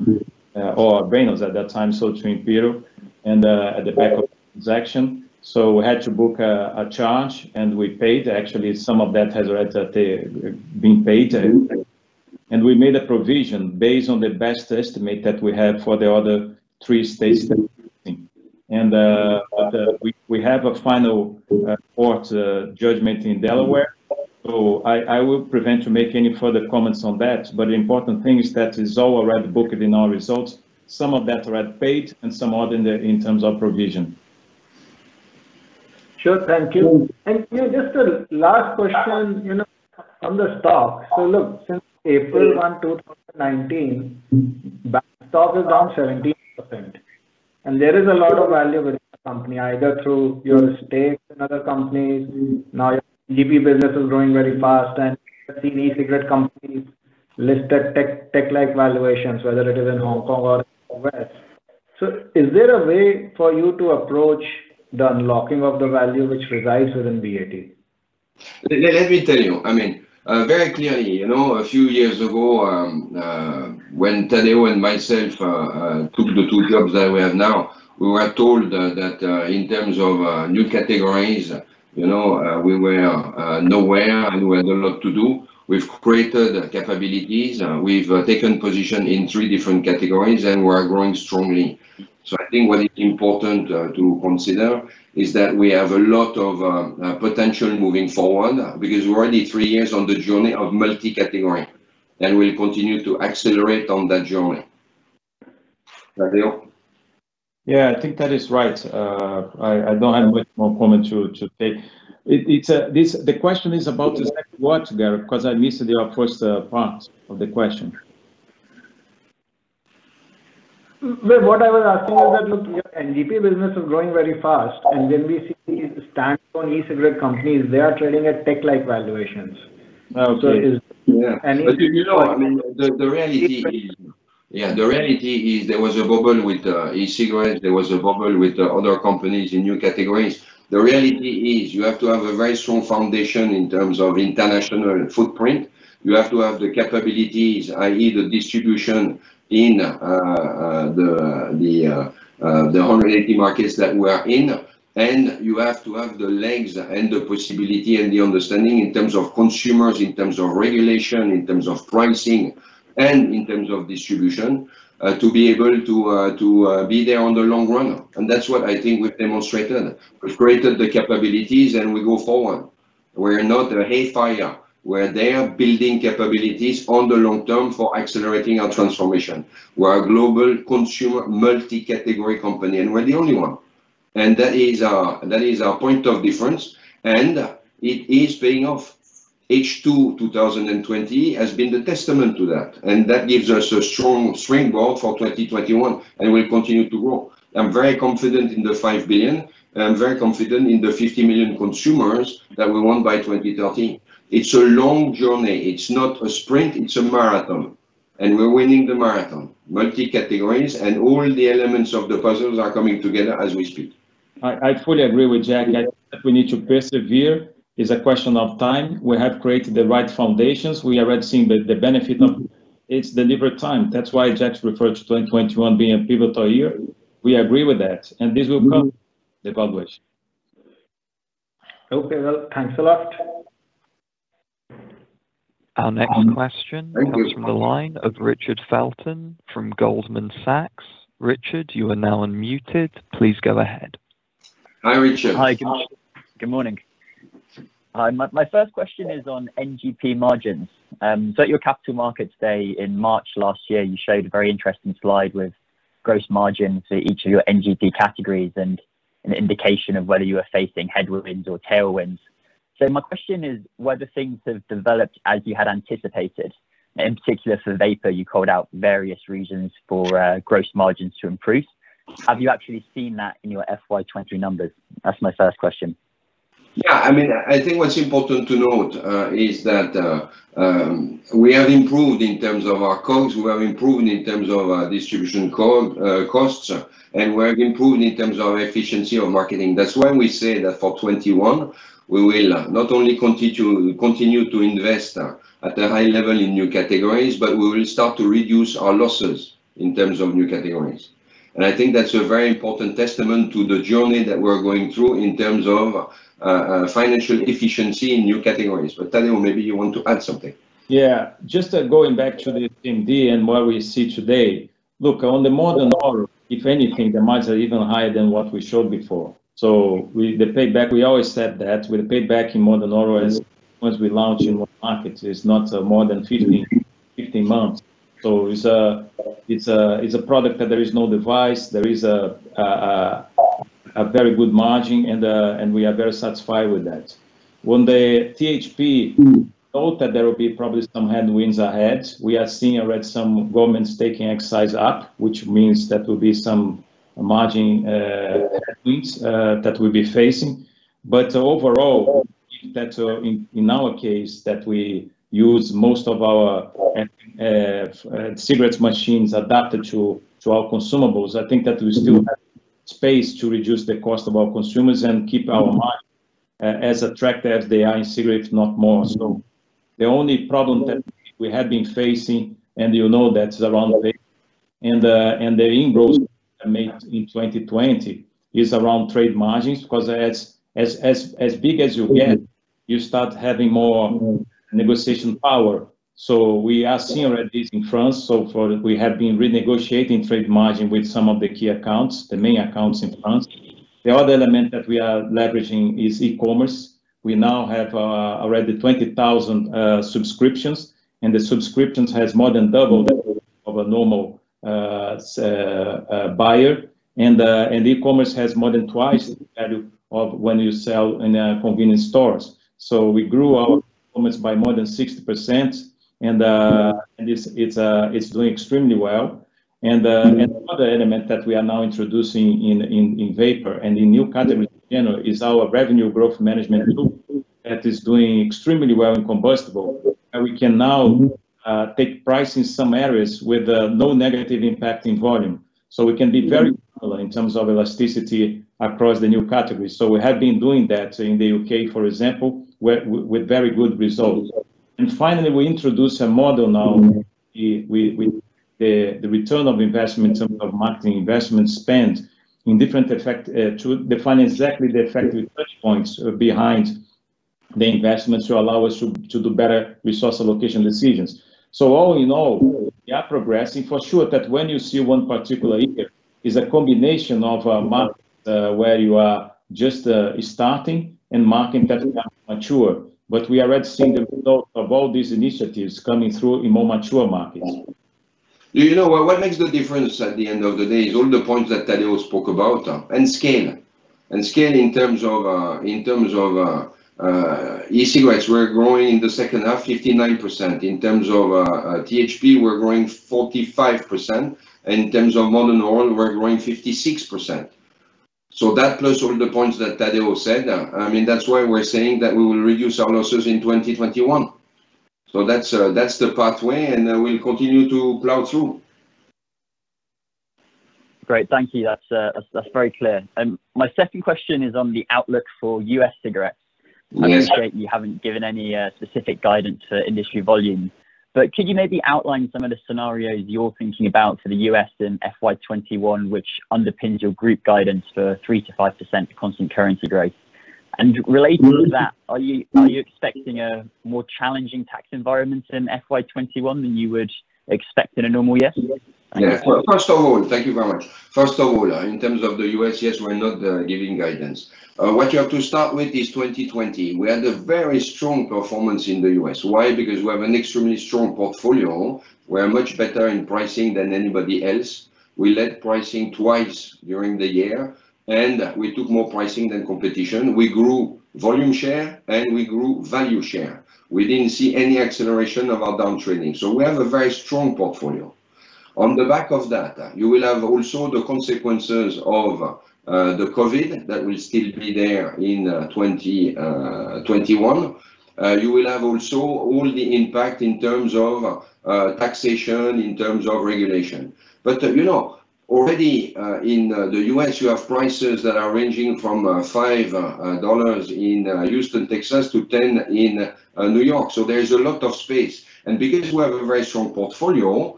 or Reynolds at that time sold to Imperial, and at the back of the transaction. We had to book a charge, and we paid. Actually, some of that has already been paid. We made a provision based on the best estimate that we have for the other three states that we are in. We have a final court judgment in Delaware. I will prevent to make any further comments on that. The important thing is that it's all already booked in our results. Some of that already paid and some odd in terms of provision. Sure. Thank you. Just a last question, on the stock. Look, since April 1, 2019, BAT stock is down 70%. There is a lot of value within the company, either through your stakes in other companies. Now your GP business is growing very fast, and we have seen e-cigarette companies listed tech-like valuations, whether it is in Hong Kong or U.S. Is there a way for you to approach the unlocking of the value which resides within BAT? Let me tell you. Very clearly, a few years ago, when Tadeu and myself took the two jobs that we have now, we were told that in terms of new categories, we were nowhere and we had a lot to do. We've created capabilities. We've taken position in three different categories, and we are growing strongly. So I think what is important to consider is that we have a lot of potential moving forward because we're already three years on the journey of multi-category. We'll continue to accelerate on that journey Tadeu? Yeah, I think that is right. I don't have much more comment to take. The question is about the second part, Gaurav, because I missed your first part of the question. Well, what I was asking was that, look, your NGP business is growing very fast. When we see the standalone e-cigarette companies, they are trading at tech-like valuations. Okay. Yeah. So is any- You know, the reality is there was a bubble with e-cigarettes, there was a bubble with other companies in new categories. The reality is you have to have a very strong foundation in terms of international footprint. You have to have the capabilities, i.e., the distribution in the 180 markets that we are in. You have to have the legs and the possibility and the understanding in terms of consumers, in terms of regulation, in terms of pricing, and in terms of distribution, to be able to be there on the long run. That's what I think we've demonstrated. We've created the capabilities, and we go forward. We're not a hay fire. We're there building capabilities on the long-term for accelerating our transformation. We're a global consumer multi-category company, and we're the only one. That is our point of difference, and it is paying off. H2 2020 has been the testament to that. That gives us a strong springboard for 2021. We'll continue to grow. I'm very confident in the 5 billion. I'm very confident in the 50 million consumers that we want by 2030. It's a long journey. It's not a sprint, it's a marathon. We're winning the marathon. Multi-categories and all the elements of the puzzles are coming together as we speak. I fully agree with Jack. I think that we need to persevere. It's a question of time. We have created the right foundations. We are already seeing the benefit of it. It's deliberate time. That's why Jack referred to 2021 being a pivotal year. We agree with that, and this will come the correct way. Okay, well, thanks a lot. Our next question comes from the line of Richard Felton from Goldman Sachs. Richard, you are now unmuted. Please go ahead. Hi, Richard. Hi, good morning. My first question is on NGP margins. At your Capital Markets Day in March last year, you showed a very interesting slide with gross margin to each of your NGP categories and an indication of whether you were facing headwinds or tailwinds. My question is, whether things have developed as you had anticipated? In particular for vapor, you called out various reasons for gross margins to improve. Have you actually seen that in your FY 2020 numbers? That's my first question. Yeah, I think what's important to note is that we have improved in terms of our costs. We have improved in terms of our distribution costs, and we have improved in terms of efficiency of marketing. That's why we say that for 2021, we will not only continue to invest at a high level in new categories, but we will start to reduce our losses in terms of new categories. I think that's a very important testament to the journey that we're going through in terms of financial efficiency in new categories. Tadeu, maybe you want to add something. Yeah, just going back to the NGP and what we see today. Look, on the Modern Oral, if anything, the margins are even higher than what we showed before. The payback, we always said that with payback in Modern Oral is once we launch in what markets, it's not more than 15 months. It's a product that there is no device. There is a very good margin, and we are very satisfied with that. On the THP note that there will be probably some headwinds ahead. We are seeing already some governments taking excise up, which means that will be some margin headwinds that we'll be facing. Overall, I think that in our case, that we use most of our cigarette machines adapted to our consumables. I think that we still have space to reduce the cost of our consumers and keep our margin as attractive as they are in cigarettes, if not more. The only problem that we have been facing, and you know that's around vapor, and the inroads we made in 2020 is around trade margins, because as big as you get, you start having more negotiation power. We are seeing already this in France. We have been renegotiating trade margin with some of the key accounts, the main accounts in France. The other element that we are leveraging is e-commerce. We now have already 20,000 subscriptions, and the subscriptions has more than doubled of a normal buyer. E-commerce has more than twice the value of when you sell in convenience stores. We grew our e-commerce by more than 60%, and it's doing extremely well. Another element that we are now introducing in vapor and in new categories in general is our Revenue Growth Management tool that is doing extremely well in combustible. We can now take price in some areas with no negative impact in volume. We can be very clever in terms of elasticity across the new categories. We have been doing that in the U.K., for example, with very good results. Finally, we introduce a model now with the return of investment in terms of marketing investment spent in different effort to define exactly the effective touch points behind the investments to allow us to do better resource allocation decisions. All in all, we are progressing. For sure that when you see one particular area, it's a combination of a market where you are just starting and market that we have mature. We are already seeing the results of all these initiatives coming through in more mature markets. What makes the difference at the end of the day is all the points that Tadeu spoke about, and scale. Scale in terms of e-cigarettes, we're growing in the second half 59%. In terms of THP, we're growing 45%. In terms of Modern Oral, we're growing 56%. That plus all the points that Tadeu said, that's why we're saying that we will reduce our losses in 2021. That's the pathway, and we'll continue to plow through. Great. Thank you. That's very clear. My second question is on the outlook for U.S. cigarettes. Yes. I appreciate you haven't given any specific guidance for industry volumes. Could you maybe outline some of the scenarios you're thinking about for the U.S. in FY 2021, which underpins your group guidance for 3%-5% constant currency growth? Relating to that, are you expecting a more challenging tax environment in FY 2021 than you would expect in a normal year? Yeah. First of all, thank you very much. First of all, in terms of the U.S., yes, we're not giving guidance. What you have to start with is 2020. We had a very strong performance in the U.S. Why? Because we have an extremely strong portfolio. We are much better in pricing than anybody else. We led pricing twice during the year, and we took more pricing than competition. We grew volume share and we grew value share. We didn't see any acceleration of our downtrending. We have a very strong portfolio. On the back of that, you will have also the consequences of the COVID that will still be there in 2021. You will have also all the impact in terms of taxation, in terms of regulation. Already in the U.S. you have prices that are ranging from $5 in Houston, Texas, to $10 in New York. There is a lot of space. Because we have a very strong portfolio,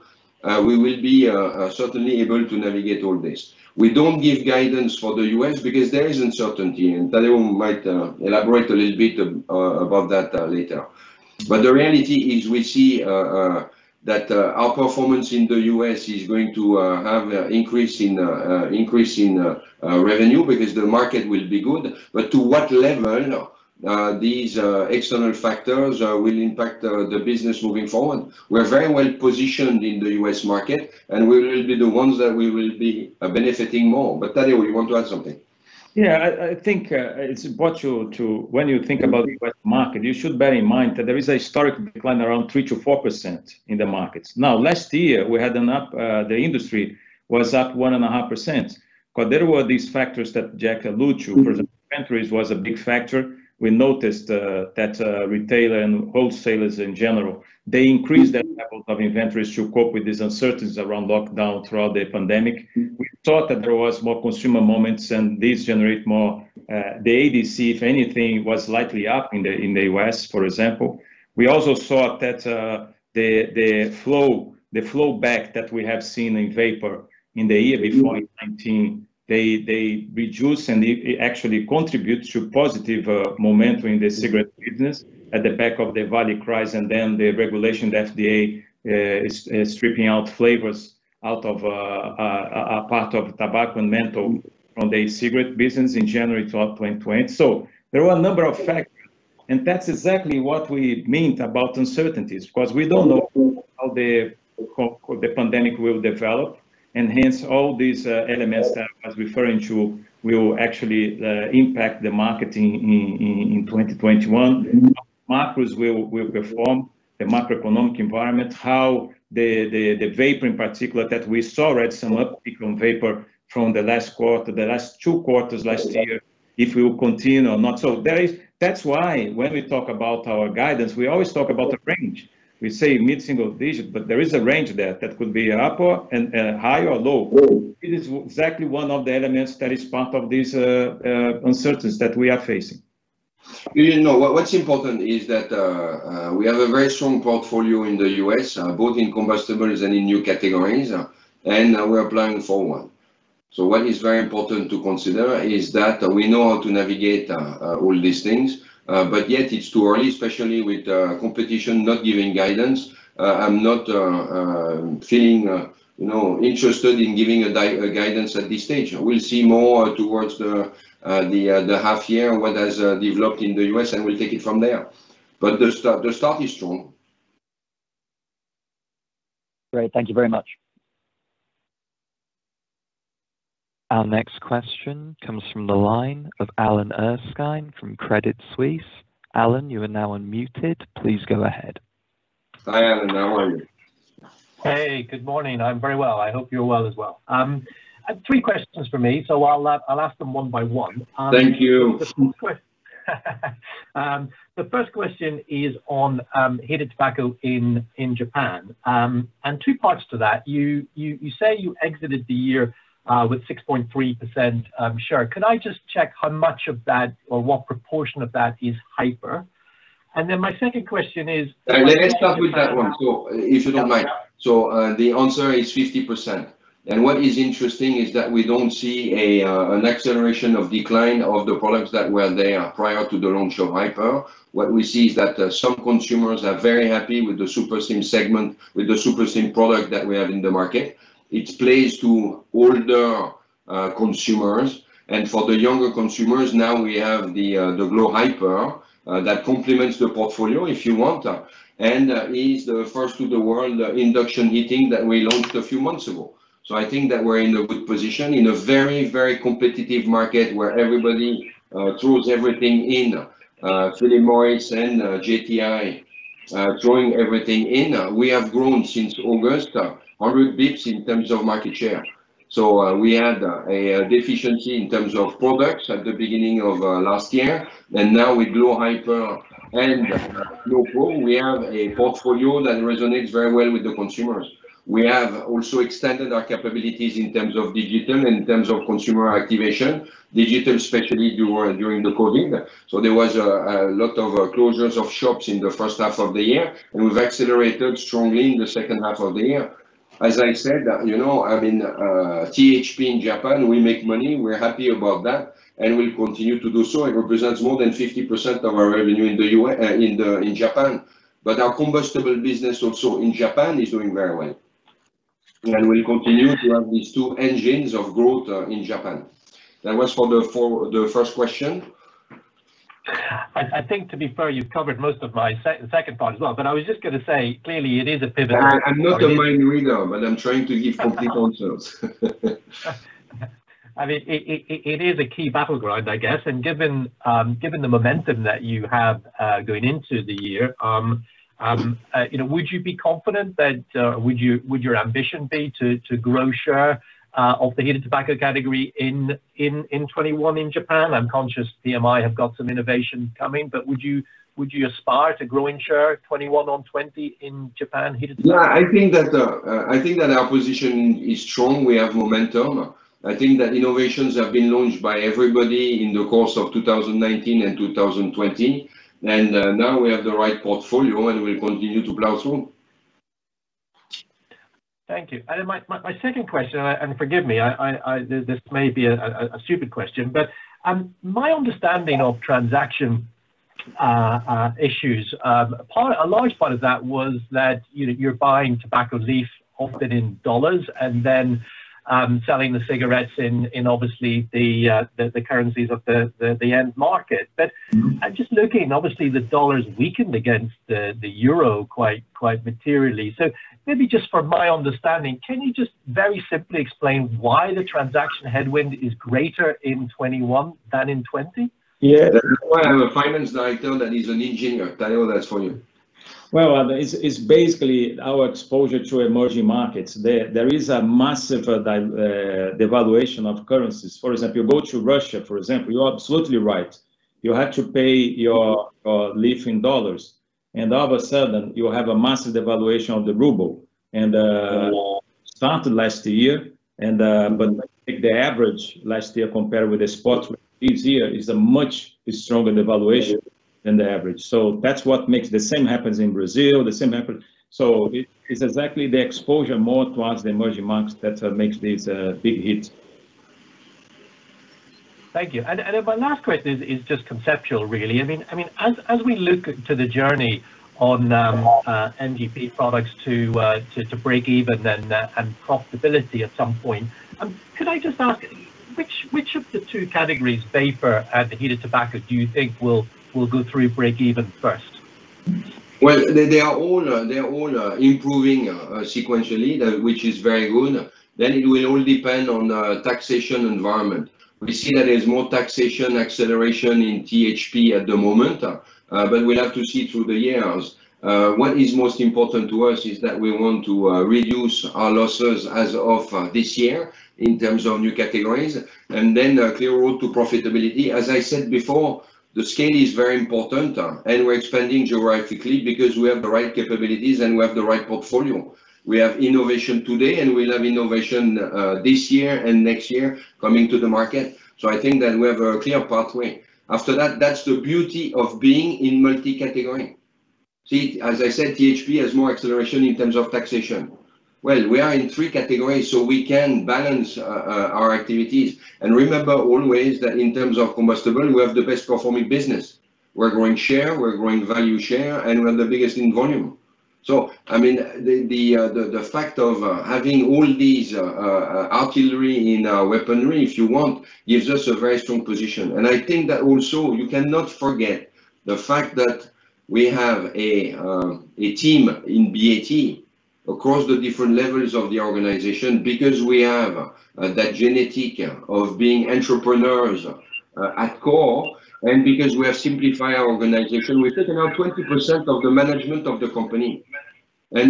we will be certainly able to navigate all this. We don't give guidance for the U.S. because there is uncertainty, and Tadeu might elaborate a little bit about that later. The reality is, we see that our performance in the U.S. is going to have an increase in revenue because the market will be good. To what level these external factors will impact the business moving forward? We're very well positioned in the U.S. market, and we will be the ones that we will be benefiting more. Tadeu, you want to add something? Yeah. I think when you think about the U.S. market, you should bear in mind that there is a historic decline around 3%-4% in the markets. Last year, the industry was up 1.5%, but there were these factors that Jack allude to. Inventories was a big factor. We noticed that retailer and wholesalers in general, they increased their levels of inventories to cope with this uncertainties around lockdown throughout the pandemic. We thought that there was more consumer moments. The ADC, if anything, was slightly up in the U.S., for example. We also thought that the flow back that we have seen in vapor in the year before in 2019, they reduce, and it actually contributes to positive momentum in the cigarette business at the back of the value price. The regulation, the FDA is stripping out flavors out of a part of tobacco and menthol from the cigarette business in January throughout 2020. There were a number of factors. That's exactly what we meant about uncertainties, because we don't know how the pandemic will develop, and hence all these elements that I was referring to will actually impact the marketing in 2021. Macros will perform, the macroeconomic environment. How the vapor in particular that we saw already some uptick on vapor from the last quarter, the last two quarters last year, if it will continue or not? That's why when we talk about our guidance, we always talk about the range. We say mid-single-digit, there is a range there that could be upper and high or low. It is exactly one of the elements that is part of this uncertainties that we are facing. What's important is that we have a very strong portfolio in the U.S., both in combustibles and in new categories, and we're planning forward. What is very important to consider is that we know how to navigate all these things. Yet it's too early, especially with competition not giving guidance. I'm not feeling interested in giving a guidance at this stage. We'll see more towards the half year what has developed in the U.S., and we'll take it from there. The start is strong. Great. Thank you very much. Our next question comes from the line of Alan Erskine from Credit Suisse. Alan, you are now unmuted. Please go ahead. Hi, Alan. How are you? Hey, good morning. I'm very well. I hope you're well as well. Three questions from me, so I'll ask them one by one. Thank you. The first question is on heated tobacco in Japan, and two parts to that. You say you exited the year with 6.3% share. Could I just check how much of that or what proportion of that is Hyper? My second question is. Let me start with that one, if you don't mind. The answer is 50%. What is interesting is that we don't see an acceleration of decline of the products that were there prior to the launch of vapor. What we see is that some consumers are very happy with the Superslims segment, with the Superslims product that we have in the market. It plays to older consumers. For the younger consumers, now we have the glo Hyper that complements the portfolio, if you want. Is the first in the world, induction heating, that we launched a few months ago. I think that we're in a good position in a very competitive market where everybody throws everything in. Philip Morris and JTI throwing everything in. We have grown since August, 100 basis points in terms of market share. We had a deficiency in terms of products at the beginning of last year. Now with glo Hyper and glo pro, we have a portfolio that resonates very well with the consumers. We have also extended our capabilities in terms of digital, in terms of consumer activation. Digital, especially during the COVID. There was a lot of closures of shops in the first half of the year, and we've accelerated strongly in the second half of the year. As I said, I'm in THP in Japan. We make money. We're happy about that, and we'll continue to do so. It represents more than 50% of our revenue in Japan. Our combustible business also in Japan is doing very well. We'll continue to have these two engines of growth in Japan. That was for the first question. I think to be fair, you've covered most of my second point as well, but I was just going to say, clearly it is a pivot-. I'm not a mind reader, but I'm trying to give complete answers. It is a key battleground, I guess. Given the momentum that you have going into the year, would your ambition be to grow share of the heated tobacco category in 2021 in Japan? I'm conscious PMI have got some innovation coming, would you aspire to growing share 2021 on 2020 in Japan heated tobacco? Yeah, I think that our position is strong. We have momentum. I think that innovations have been launched by everybody in the course of 2019 and 2020. Now we have the right portfolio, and we'll continue to plow through. Thank you. My second question, and forgive me, this may be a stupid question, but my understanding of transaction issues, a large part of that was that you are buying tobacco leaf, often in dollars, and then selling the cigarettes in obviously the currencies of the end market. I am just looking, obviously, the dollar's weakened against the euro quite materially. Maybe just from my understanding, can you just very simply explain why the transaction headwind is greater in 2021 than in 2020? Yeah. That's why I have a finance director that is an engineer. Tadeu, that's for you. Well, it's basically our exposure to emerging markets. There is a massive devaluation of currencies. For example, you go to Russia, for example, you are absolutely right. You have to pay your leaf in dollars. All of a sudden, you have a massive devaluation of the ruble. Started last year, but if you take the average last year compared with the spot with this year, is a much stronger devaluation than the average. That's what makes the same happens in Brazil, the same happen. It's exactly the exposure more towards the emerging markets that makes this a big hit. Thank you. My last question is just conceptual, really. As we look to the journey on NGP products to break even and profitability at some point, could I just ask, which of the two categories, vapor and heated tobacco, do you think will go through break even first? Well, they are all improving sequentially, which is very good. It will all depend on taxation environment. We see that there's more taxation acceleration in THP at the moment, but we'll have to see through the years. What is most important to us is that we want to reduce our losses as of this year in terms of new categories, a clear road to profitability. As I said before, the scale is very important, we're expanding geographically because we have the right capabilities and we have the right portfolio. We have innovation today, we'll have innovation this year and next year coming to the market. I think that we have a clear pathway. After that's the beauty of being in multi-category. As I said, THP has more acceleration in terms of taxation. Well, we are in three categories, we can balance our activities. Remember always that in terms of combustible, we have the best performing business. We're growing share, we're growing value share, we're the biggest in volume. I mean, the fact of having all these artillery in our weaponry, if you want, gives us a very strong position. I think that also you cannot forget the fact that we have a team in BAT across the different levels of the organization because we have that genetic of being entrepreneurs at core. Because we have simplified our organization, we've taken out 20% of the management of the company.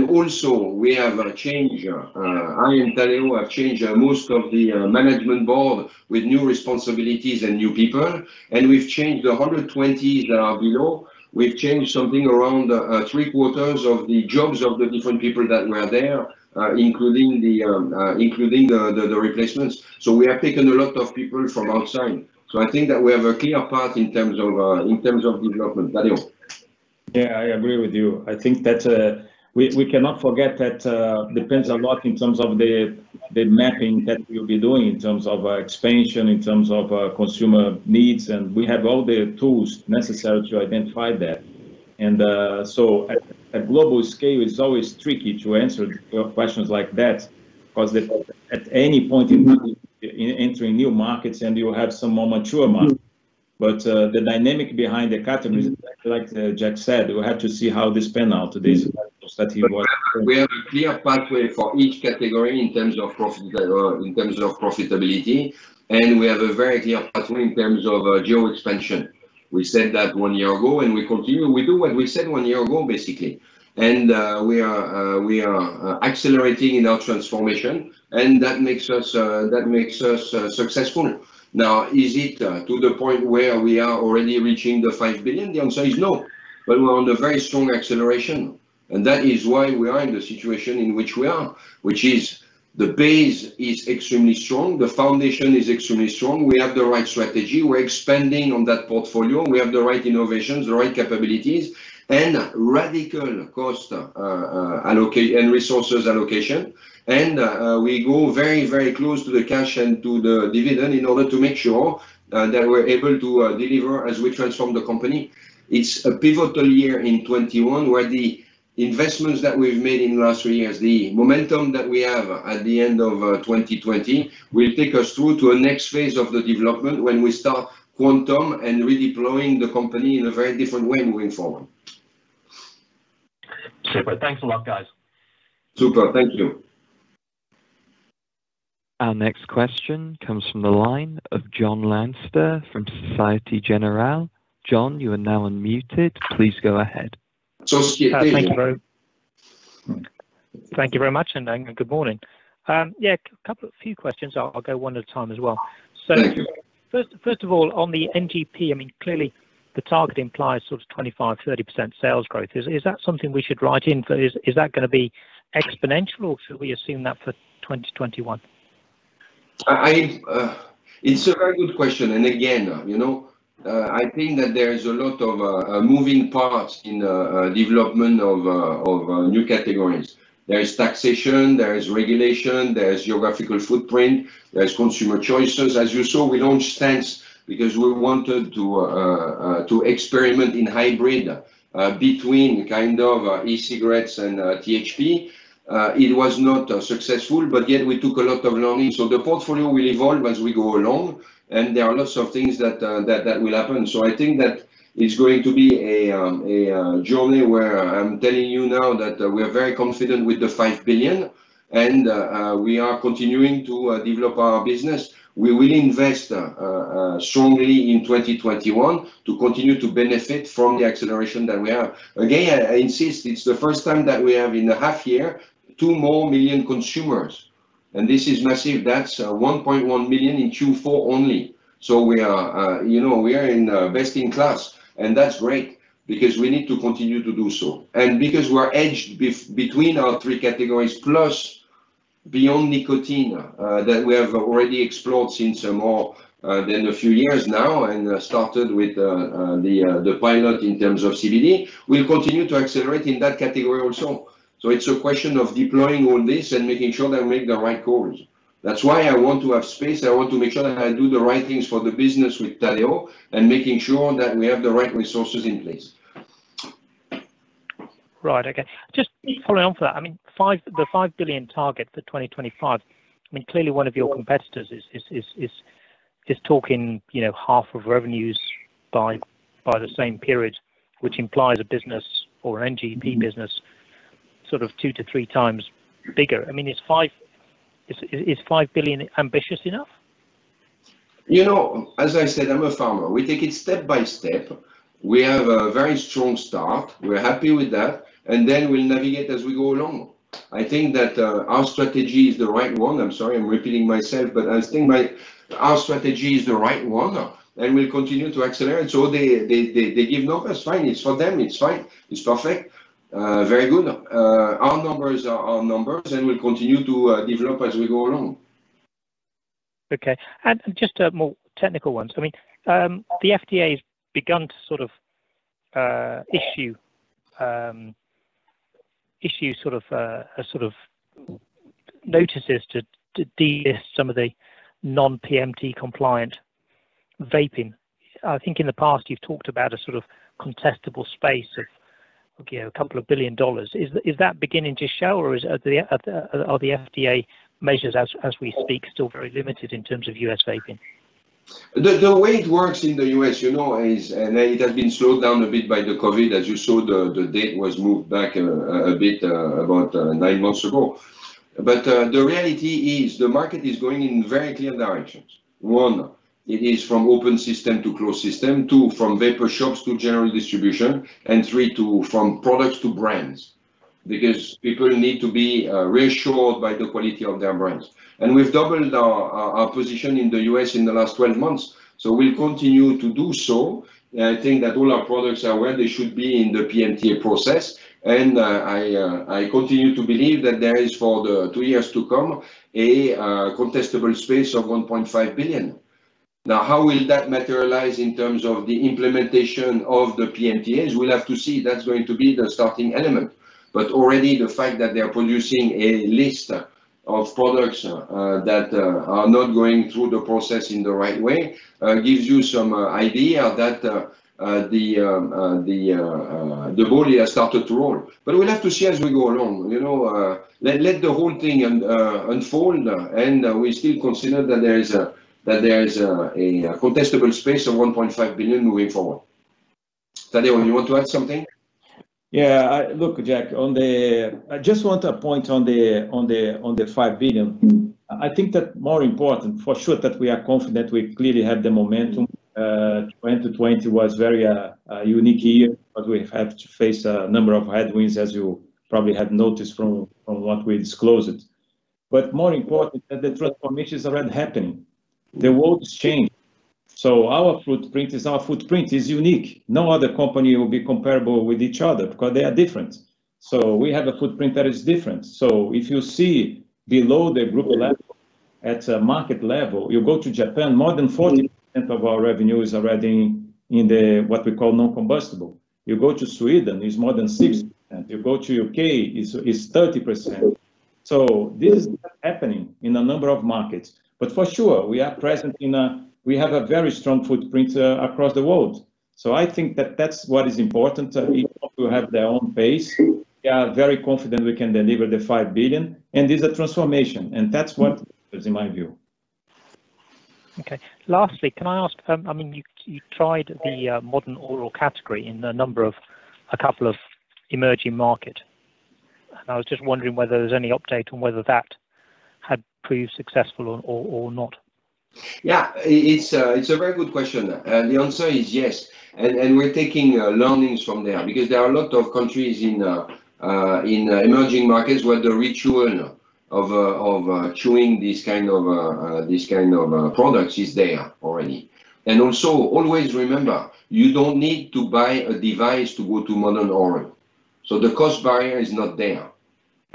Also we have changed, I and Tadeu have changed most of the management board with new responsibilities and new people. We've changed 120 that are below. We've changed something around three quarters of the jobs of the different people that were there, including the replacements. We have taken a lot of people from outside. I think that we have a clear path in terms of development. Tadeu. Yeah, I agree with you. I think that we cannot forget that depends a lot in terms of the mapping that we'll be doing in terms of expansion, in terms of consumer needs, and we have all the tools necessary to identify that. At global scale, it's always tricky to answer questions like that because at any point in time, you're entering new markets, and you have some more mature markets. The dynamic behind the categories, like Jack said, we have to see how this pan out. We have a clear pathway for each category in terms of profitability, and we have a very clear pathway in terms of geo expansion. We said that one year ago, and we continue. We do what we said one year ago, basically. We are accelerating in our transformation, and that makes us successful. Now, is it to the point where we are already reaching the 5 billion? The answer is no. We're on a very strong acceleration, and that is why we are in the situation in which we are, which is the base is extremely strong, the foundation is extremely strong. We have the right strategy. We're expanding on that portfolio. We have the right innovations, the right capabilities, and radical cost and resources allocation. We go very, very close to the cash and to the dividend in order to make sure that we're able to deliver as we transform the company. It's a pivotal year in 2021, where the investments that we've made in last three years, the momentum that we have at the end of 2020, will take us through to a next phase of the development when we start Quantum and redeploying the company in a very different way moving forward. Super. Thanks a lot, guys. Super. Thank you. Our next question comes from the line of Jonathan Leinster from Société Générale. John, you are now unmuted. Please go ahead. Yeah, thank you. Thank you very much. Good morning. Yeah, a few questions. I'll go one at a time as well. Thank you. First of all, on the NGP, clearly the target implies sort of 25%-30% sales growth. Is that going to be exponential, or should we assume that for 2021? It's a very good question. Again, I think that there is a lot of moving parts in development of new categories. There is taxation, there is regulation, there is geographical footprint, there is consumer choices. As you saw, we don't stance because we wanted to experiment in hybrid between e-cigarettes and THP. It was not successful, but yet we took a lot of learning. The portfolio will evolve as we go along, and there are lots of things that will happen. I think that it's going to be a journey where I'm telling you now that we're very confident with the 5 billion, and we are continuing to develop our business. We will invest strongly in 2021 to continue to benefit from the acceleration that we have. Again, I insist, it's the first time that we have in a half year, 2 million consumers. This is massive. That's 1.1 million in Q4 only. We are best in class, that's great, because we need to continue to do so. Because we're edged between our three categories, plus beyond nicotine, that we have already explored since more than a few years now and started with the pilot in terms of CBD, we'll continue to accelerate in that category also. It's a question of deploying all this and making sure that we make the right calls. That's why I want to have space. I want to make sure that I do the right things for the business with Tadeu, making sure that we have the right resources in place. Right. Okay. Just following on from that, the 5 billion target for 2025, clearly one of your competitors is just talking half of revenues by the same period, which implies a business or NGP business, sort of two to three times bigger. Is 5 billion ambitious enough? As I said, I'm a farmer. We take it step by step. We have a very strong start. We're happy with that, and then we'll navigate as we go along. I think that our strategy is the right one. I'm sorry, I'm repeating myself, but I think our strategy is the right one, and we'll continue to accelerate. They give numbers, fine. It's for them, it's fine. It's perfect. Very good. Our numbers are our numbers, and we'll continue to develop as we go along. Okay. Just a more technical one. The FDA has begun to issue notices to delist some of the non-PMTA compliant vaping. I think in the past you've talked about a contestable space of a couple of billion dollars. Is that beginning to show, or are the FDA measures as we speak, still very limited in terms of U.S. vaping? The way it works in the U.S., and it has been slowed down a bit by the COVID, as you saw, the date was moved back a bit about nine months ago. The reality is, the market is going in very clear directions. One, it is from open system to closed system. Two, from vapor shops to general distribution, and three, from products to brands. Because people need to be reassured by the quality of their brands. We've doubled our position in the U.S. in the last 12 months, we'll continue to do so. I think that all our products are where they should be in the PMTA process, and I continue to believe that there is, for the two years to come, a contestable space of 1.5 billion. Now, how will that materialize in terms of the implementation of the PMTAs? We'll have to see. That's going to be the starting element. Already, the fact that they're producing a list of products that are not going through the process in the right way gives you some idea that the ball has started to roll. We'll have to see as we go along. Let the whole thing unfold, and we still consider that there is a contestable space of 1.5 billion moving forward. Tadeu, you want to add something? Yeah. Look, Jack, I just want to point on the 5 billion. I think that more important, for sure, that we are confident we clearly have the momentum. 2020 was very a unique year, we've had to face a number of headwinds, as you probably have noticed from what we disclosed. More important that the transformation is already happening. The world is changing. Our footprint is our footprint, is unique. No other company will be comparable with each other because they are different. We have a footprint that is different. If you see below the group level, at a market level, you go to Japan, more than 40% of our revenue is already in the, what we call, non-combustible. You go to Sweden, it's more than 60%. You go to U.K., it's 30%. This is happening in a number of markets. For sure, we have a very strong footprint across the world. I think that that's what is important. People who have their own pace, we are very confident we can deliver the 5 billion, and this is a transformation, and that's what matters in my view. Okay. Lastly, can I ask, you tried the Modern Oral category in a couple of emerging market, and I was just wondering whether there's any update on whether that had proved successful or not? Yeah. It's a very good question. The answer is yes. We're taking learnings from there because there are a lot of countries in emerging markets where the ritual of chewing these kind of products is there already. Also, always remember, you don't need to buy a device to go to Modern Oral. The cost barrier is not there.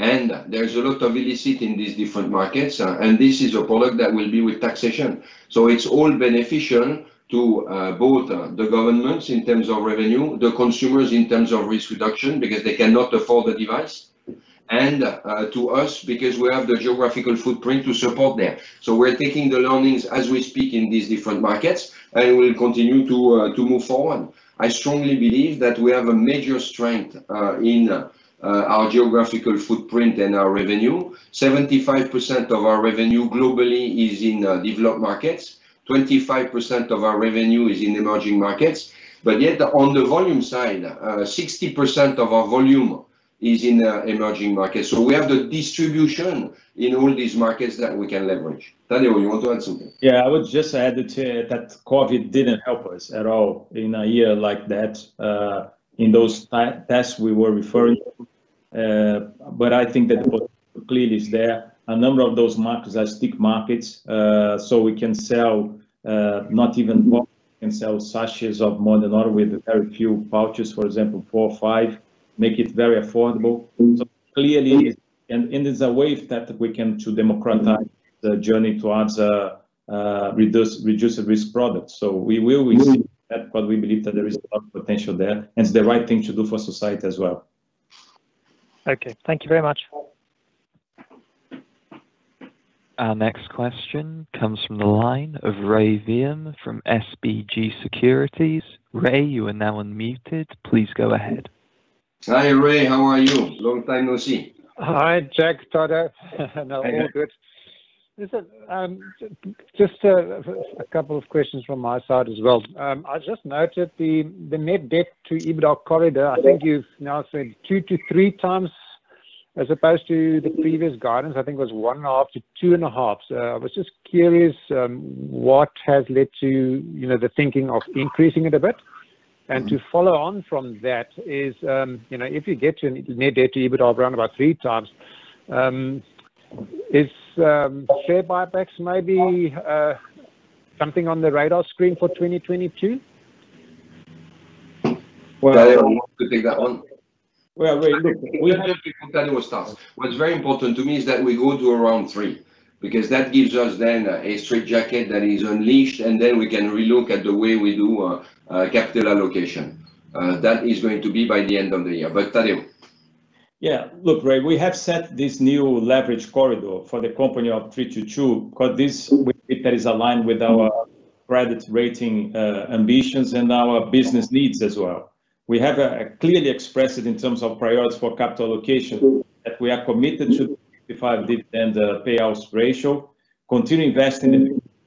There's a lot of illicit in these different markets, and this is a product that will be with taxation. It's all beneficial to both the governments in terms of revenue, the consumers in terms of risk reduction, because they cannot afford the device, and to us, because we have the geographical footprint to support there. We're taking the learnings as we speak in these different markets, and we'll continue to move forward. I strongly believe that we have a major strength in our geographical footprint and our revenue. 75% of our revenue globally is in developed markets. 25% of our revenue is in emerging markets. Yet, on the volume side, 60% of our volume is in emerging markets. We have the distribution in all these markets that we can leverage. Tadeu, you want to add something? Yeah, I would just add that COVID didn't help us at all in a year like that, in those tests we were referring to. I think that potential clearly is there. A number of those markets are stick markets, so we can sell not even 40, we can sell sachets of Modern Oral with very few pouches, for example, four or five, make it very affordable. Clearly, and it's a way that we can to democratize the journey towards a reduced-risk product. We will receive that, but we believe that there is a lot of potential there, and it's the right thing to do for society as well. Okay. Thank you very much. Our next question comes from the line of Rey Wium from SBG Securities. Rey. Hi, Rey. How are you? Long time no see. Hi, Jack, Tadeu. No, all good. Listen, just a couple of questions from my side as well. I just noted the net debt to EBITDA corridor, I think you've now said 2-3x as opposed to the previous guidance, I think was one and a half to two and a half. I was just curious, what has led to the thinking of increasing it a bit? To follow on from that is, if you get your net debt to EBITDA around about 3x, is share buybacks maybe something on the radar screen for 2022? Tadeu, you want to take that one? Well, Rey, look. No, Tadeu will start. What's very important to me is that we go to around three, because that gives us then a straitjacket that is unleashed, and then we can re-look at the way we do capital allocation. That is going to be by the end of the year. Tadeu. Yeah. Look, Rey, we have set this new leverage corridor for the company of three to two, because we think that is aligned with our credit rating ambitions and our business needs as well. We have clearly expressed it in terms of priorities for capital allocation, that we are committed to the 55% dividend payouts ratio, continue investing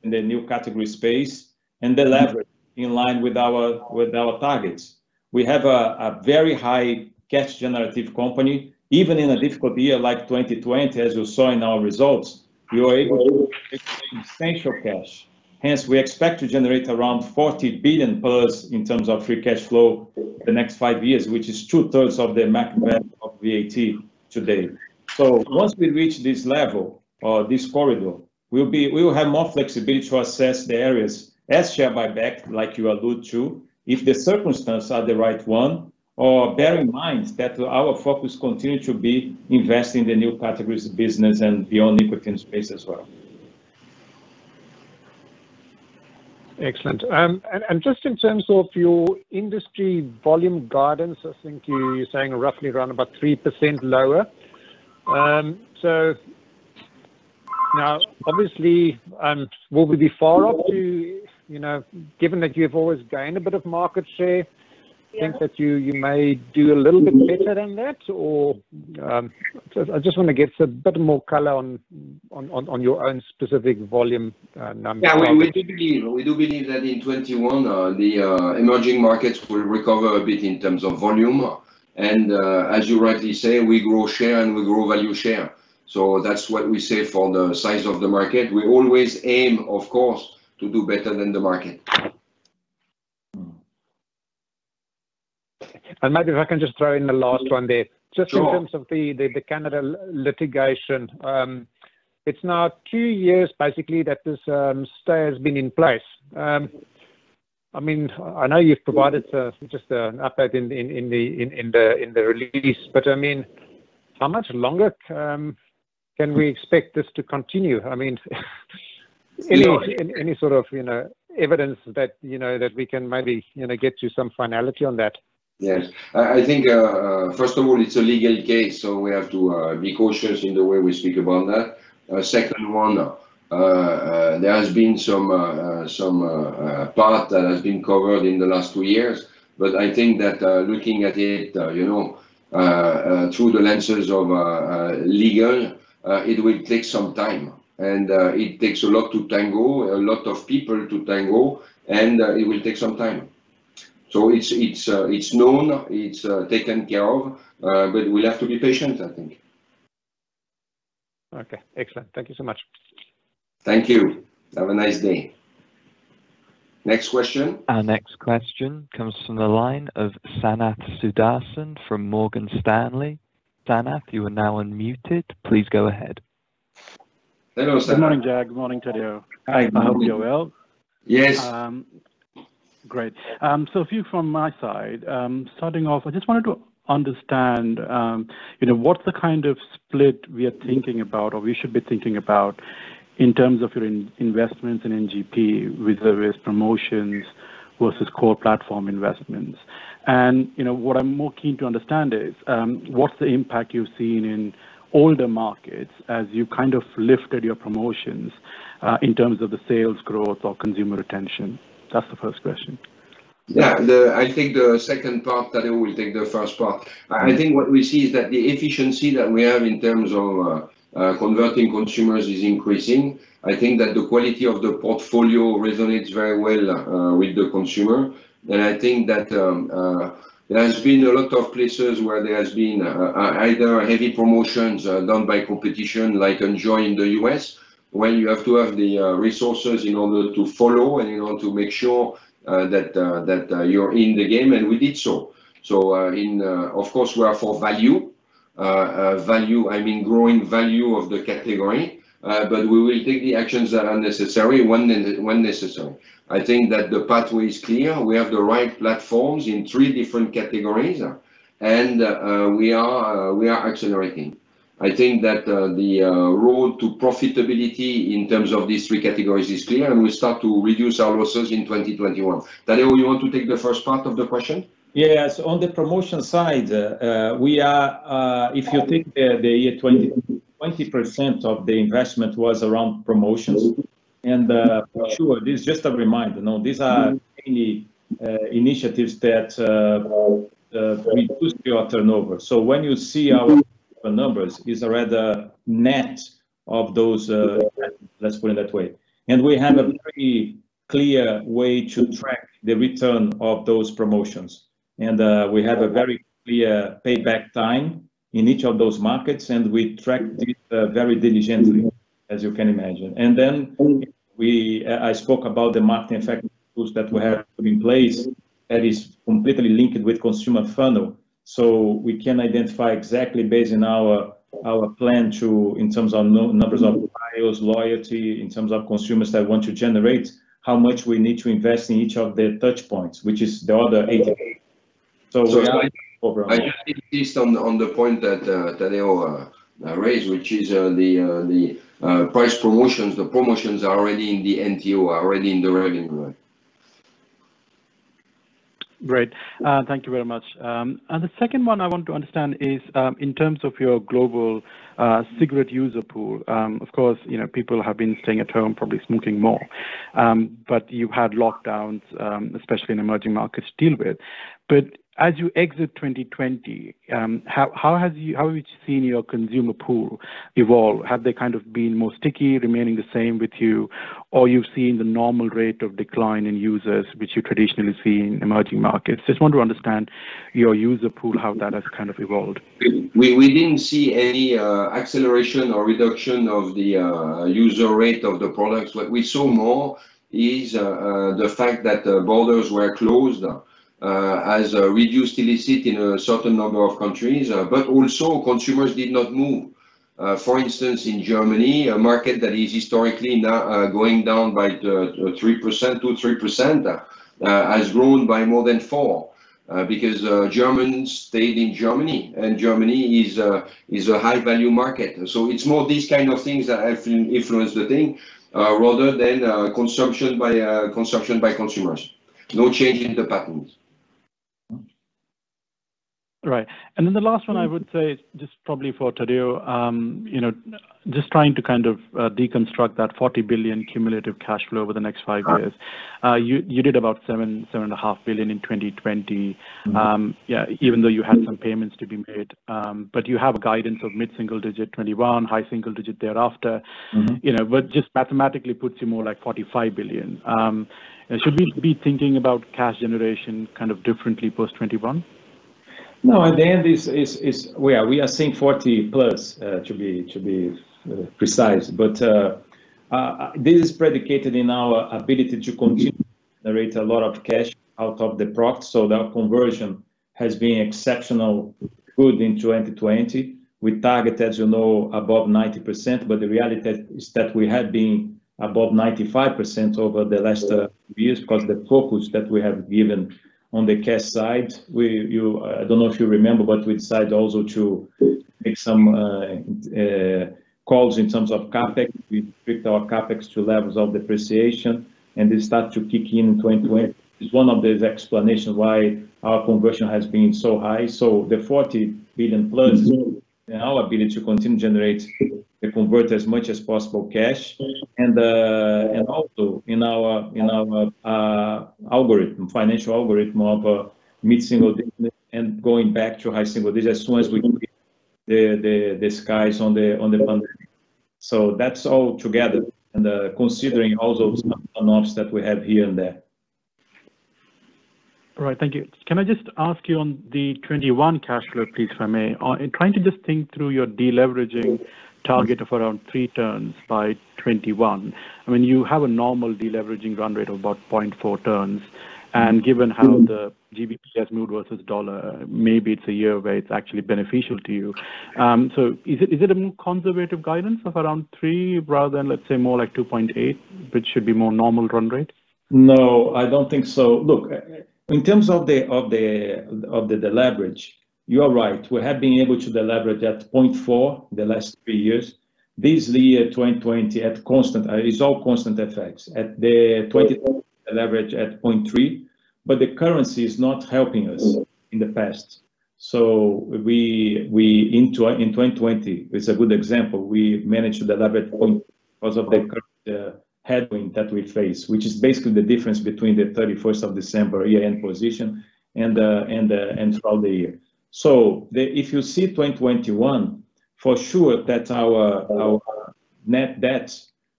in the new category space, and the leverage in line with our targets. We have a very high cash generative company. Even in a difficult year like 2020, as you saw in our results, we were able to generate substantial cash. We expect to generate around 40 billion+ in terms of free cash flow the next five years, which is 2/3 Of the market cap of BAT today. Once we reach this level or this corridor, we will have more flexibility to assess the areas as share buyback, like you allude to, if the circumstance are the right one, or bear in mind that our focus continue to be invest in the new categories business and beyond nicotine space as well. Excellent. Just in terms of your industry volume guidance, I think you're saying roughly around about 3% lower. Now, obviously, will we be far off to, given that you've always gained a bit of market share? Yeah. Think that you may do a little bit better than that? I just want to get a bit more color on your own specific volume numbers. Yeah. We do believe that in 2021, the emerging markets will recover a bit in terms of volume. As you rightly say, we grow share and we grow value share. That's what we say for the size of the market. We always aim, of course, to do better than the market. Maybe if I can just throw in the last one there. Sure. Just in terms of the Canada litigation. It's now two years, basically, that this stay has been in place. I know you've provided just an update in the release, but how much longer can we expect this to continue? Any sort of evidence that we can maybe get to some finality on that? Yes. I think, first of all, it's a legal case, so we have to be cautious in the way we speak about that. Second one, there has been some part that has been covered in the last two years. I think that, looking at it through the lenses of legal, it will take some time. It takes a lot to tango, a lot of people to tango, and it will take some time. It's known, it's taken care of, but we'll have to be patient, I think. Okay. Excellent. Thank you so much. Thank you. Have a nice day. Next question. Our next question comes from the line of Sanath Sudarsan from Morgan Stanley. Sanath, you are now unmuted. Please go ahead. Hello, Sanath. Good morning, Jack. Good morning, Tadeu. Hi. I hope you're well. Yes. Great. A few from my side. Starting off, I just wanted to understand what's the kind of split we are thinking about or we should be thinking about in terms of your investments in NGP with the risk promotions versus core platform investments? What I'm more keen to understand is, what's the impact you've seen in older markets as you've kind of lifted your promotions, in terms of the sales growth or consumer retention? That's the first question. Yeah. I think the second part, Tadeu will take the first part. I think what we see is that the efficiency that we have in terms of converting consumers is increasing. I think that the quality of the portfolio resonates very well with the consumer. I think that there has been a lot of places where there has been either heavy promotions done by competition, like JUUL in the U.S., where you have to have the resources in order to follow and in order to make sure that you're in the game, and we did so. Of course, we are for value. Value, I mean growing value of the category. We will take the actions that are necessary when necessary. I think that the pathway is clear. We have the right platforms in three different categories, and we are accelerating. I think that the road to profitability in terms of these three categories is clear. We start to reduce our losses in 2021. Tadeu, you want to take the first part of the question? Yes. On the promotion side, if you take the year 20% of the investment was around promotions. For sure, this is just a reminder. These are initiatives that will boost your turnover. When you see our numbers, it's rather net of those, let's put it that way. We have a pretty clear way to track the return of those promotions. We have a very clear payback time in each of those markets, and we track this very diligently, as you can imagine. I spoke about the marketing effectiveness tools that we have in place that is completely linked with consumer funnel. We can identify exactly based on our plan too, in terms of numbers of buyers, loyalty, in terms of consumers that want to generate, how much we need to invest in each of their touch points, which is the other 80. Overall. I just insist on the point that Tadeu raised, which is the price promotions. The promotions are already in the NTO, are already in the revenue. Great. Thank you very much. The second one I want to understand is, in terms of your global cigarette user pool, of course, people have been staying at home probably smoking more. You had lockdowns, especially in emerging markets to deal with. As you exit 2020, how have you seen your consumer pool evolve? Have they been more sticky, remaining the same with you? Or you've seen the normal rate of decline in users, which you traditionally see in emerging markets? Just want to understand your user pool, how that has evolved. We didn't see any acceleration or reduction of the user rate of the products. What we saw more is the fact that borders were closed, has reduced illicit in a certain number of countries. Consumers did not move. For instance, in Germany, a market that is historically going down by 2%, 3%, has grown by more than four. Germans stayed in Germany, and Germany is a high-value market. It's more these kind of things that have influenced the thing, rather than consumption by consumers. No change in the patterns. Right. Then the last one I would say is just probably for Tadeu, just trying to deconstruct that 40 billion cumulative cash flow over the next five years. You did about seven, 7.5 billion in 2020. Yeah, even though you had some payments to be made. You have a guidance of mid-single-digit 2021, high-single-digit thereafter. Which just mathematically puts you more like 45 billion. Should we be thinking about cash generation differently post 2021? At the end, we are seeing 40+, to be precise. This is predicated in our ability to continue to generate a lot of cash out of the product. That conversion has been exceptionally good in 2020. We target, as you know, above 90%, but the reality is that we have been above 95% over the last few years because the focus that we have given on the cash side. I don't know if you remember, but we decided also to make some calls in terms of CapEx. We've picked our CapEx to levels of depreciation, and they start to kick in in 2020. It's one of the explanations why our conversion has been so high. The 40 billion+ and our ability to continue to generate and convert as much as possible cash, and also in our financial algorithm of mid-single-digit and going back to high-single-digit as soon as we get the skies on the country. That's all together and considering all those announcements that we have here and there. All right. Thank you. Can I just ask you on the 2021 cash flow, please, if I may? Trying to just think through your de-leveraging target of around three turns by 2021. You have a normal de-leveraging run rate of about 0.4 turns, and given how the GBP has moved versus the dollar, maybe it's a year where it's actually beneficial to you. Is it a more conservative guidance of around three rather than, let's say, more like 2.8, which should be more normal run rate? No, I don't think so. Look, in terms of the leverage, you are right. We have been able to leverage that 0.4 the last three years. This year, 2020, it's all constant FX. At the 2020 leverage at 0.3, but the currency is not helping us in the past. In 2020, it's a good example. We managed to leverage because of the current headwind that we face, which is basically the difference between the 31st of December year-end position and throughout the year. If you see 2021, for sure that our net debt,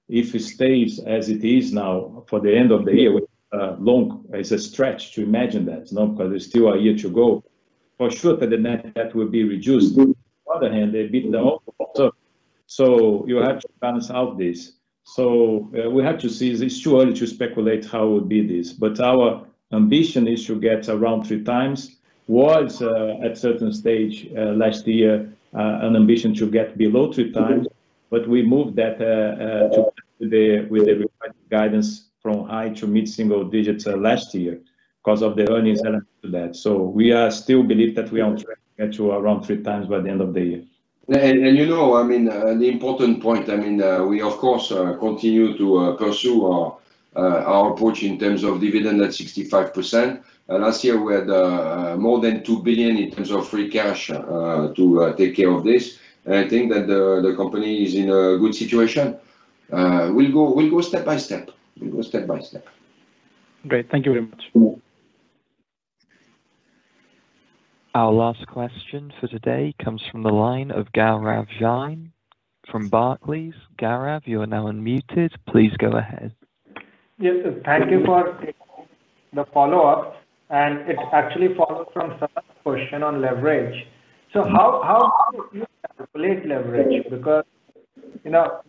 if it stays as it is now for the end of the year, long, it's a stretch to imagine that. There's still a year to go. For sure that the net debt will be reduced. You have to balance out this. We have to see. It's too early to speculate how it will be this, but our ambition is to get around three times. Was, at a certain stage last year, an ambition to get below three times, but we moved that to today with the required guidance from high to mid-single-digits last year because of the earnings element to that. We still believe that we are on track to get to around three times by the end of the year. The important point, we, of course, continue to pursue our approach in terms of dividend at 65%. Last year, we had more than 2 billion in terms of free cash to take care of this. I think that the company is in a good situation. We'll go step by step. Great. Thank you very much. Our last question for today comes from the line of Gaurav Jain from Barclays. Gaurav, you are now unmuted. Please go ahead. Yes, sir. Thank you for taking the follow-up. It actually follows from Sanath's question on leverage. How do you calculate leverage?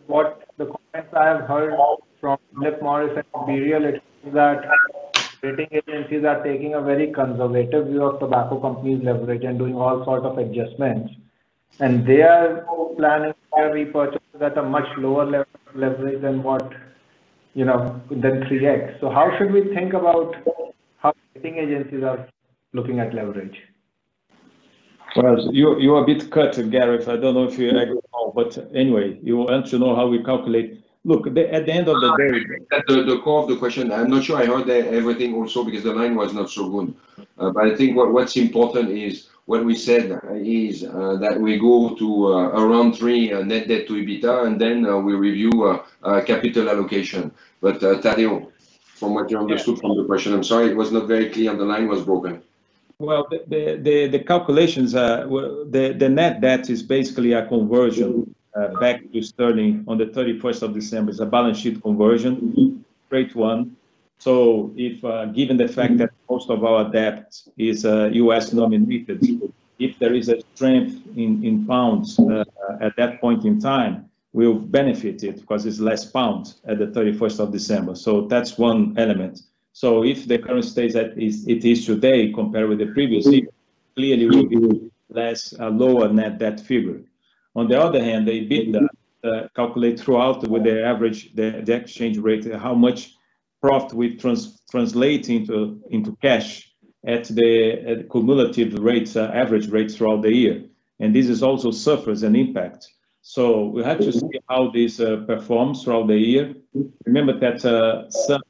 What the comments I have heard from Philip Morris and Imperial is that rating agencies are taking a very conservative view of tobacco companies' leverage and doing all sorts of adjustments. They are planning to repurchase at a much lower leverage than 3x. How should we think about how rating agencies are looking at leverage? Well, you are a bit cut, Gaurav, so I don't know if you heard it all, but anyway, you want to know how we calculate. That's the core of the question. I'm not sure I heard everything also because the line was not so good. I think what's important is what we said is that we go to around three net debt to EBITDA, and then we review capital allocation. Tadeu, from what you understood from the question, I'm sorry, it was not very clear and the line was broken. Well, the calculations, the net debt is basically a conversion back to GBP on the 31st of December. It's a balance sheet conversion, rate one. Given the fact that most of our debt is U.S.-denominated, if there is a strength in pounds at that point in time, we'll benefit it because it's less pounds at the 31st of December. That's one element. If the current state it is today compared with the previous year, clearly it will be less, a lower net debt figure. On the other hand, they calculate throughout with their average, the exchange rate, how much profit we translate into cash at the cumulative rates, average rates throughout the year. This also suffers an impact. We have to see how this performs throughout the year. Remember that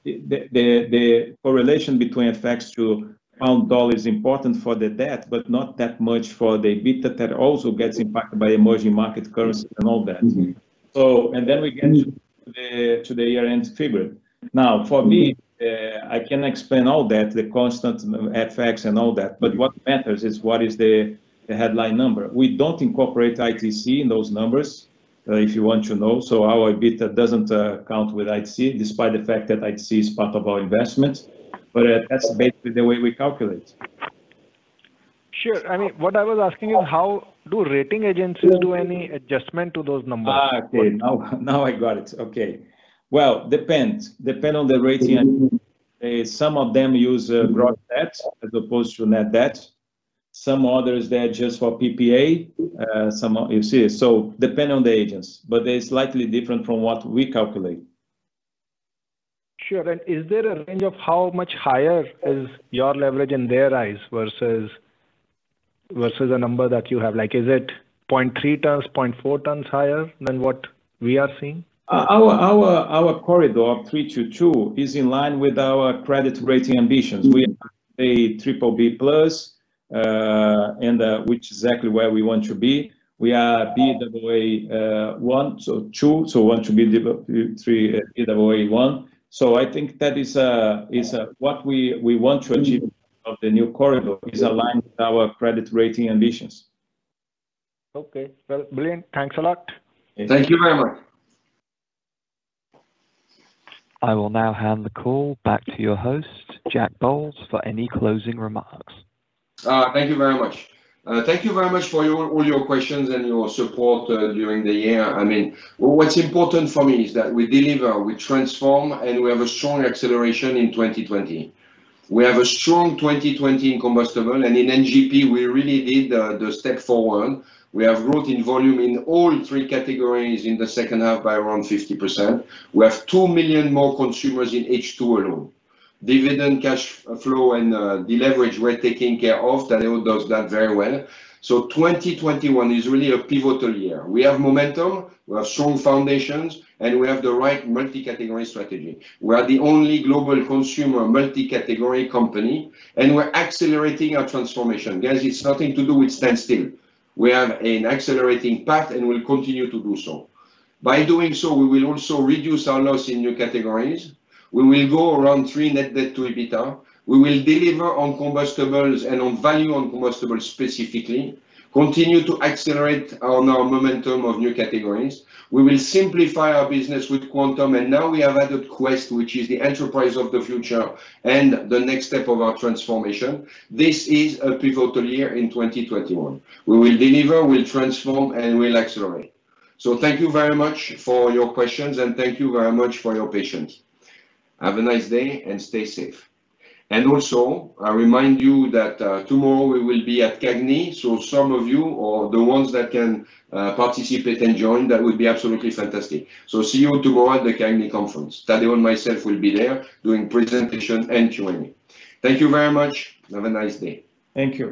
the correlation between FX to pound/dollar is important for the debt, but not that much for the EBITDA that also gets impacted by emerging market currency and all that. Then we get to the year-end figure. For me, I can explain all that, the constant FX and all that, but what matters is what is the headline number. We don't incorporate ITC in those numbers, if you want to know. Our EBITDA doesn't count with ITC, despite the fact that ITC is part of our investment. That's basically the way we calculate. Sure. What I was asking you, how do rating agencies do any adjustment to those numbers? Okay, now I got it. Okay. Well, depends. Depend on the rating agency. Some of them use gross debt as opposed to net debt. Some others, they adjust for PPA. You see. Depend on the agents, but they're slightly different from what we calculate. Sure. Is there a range of how much higher is your leverage in their eyes versus the number that you have? Like is it 0.3x, 0.4x higher than what we are seeing? Our corridor of three to two is in line with our credit rating ambitions. We are a BBB+, and which is exactly where we want to be. We are PWA 2, so want to be PWA 1. I think that is what we want to achieve of the new corridor, is align with our credit rating ambitions. Okay. Well, brilliant. Thanks a lot. Thank you very much. I will now hand the call back to your host, Jack Bowles, for any closing remarks. Thank you very much. Thank you very much for all your questions and your support during the year. What's important for me is that we deliver, we transform, and we have a strong acceleration in 2020. We have a strong 2020 in combustible, and in NGP, we really did the step forward. We have growth in volume in all three categories in the second half by around 50%. We have 2 million more consumers in H2 alone. Dividend, cash flow, and deleverage were taken care of. Tadeu does that very well. 2021 is really a pivotal year. We have momentum, we have strong foundations, and we have the right multi-category strategy. We are the only global consumer multi-category company, and we're accelerating our transformation. Guys, it's nothing to do with standstill. We have an accelerating path, and we'll continue to do so. By doing so, we will also reduce our loss in new categories. We will go around three net debt to EBITDA. We will deliver on combustibles and on value on combustibles specifically, continue to accelerate on our momentum of new categories. We will simplify our business with Quantum, and now we have added Quest, which is the enterprise of the future and the next step of our transformation. This is a pivotal year in 2021. We will deliver, we'll transform, and we'll accelerate. Thank you very much for your questions, and thank you very much for your patience. Have a nice day, and stay safe. Also, I remind you that tomorrow we will be at CAGNY, so some of you, or the ones that can participate and join, that would be absolutely fantastic. See you tomorrow at the CAGNY conference. Tadeu and myself will be there doing presentation and Q&A. Thank you very much. Have a nice day. Thank you.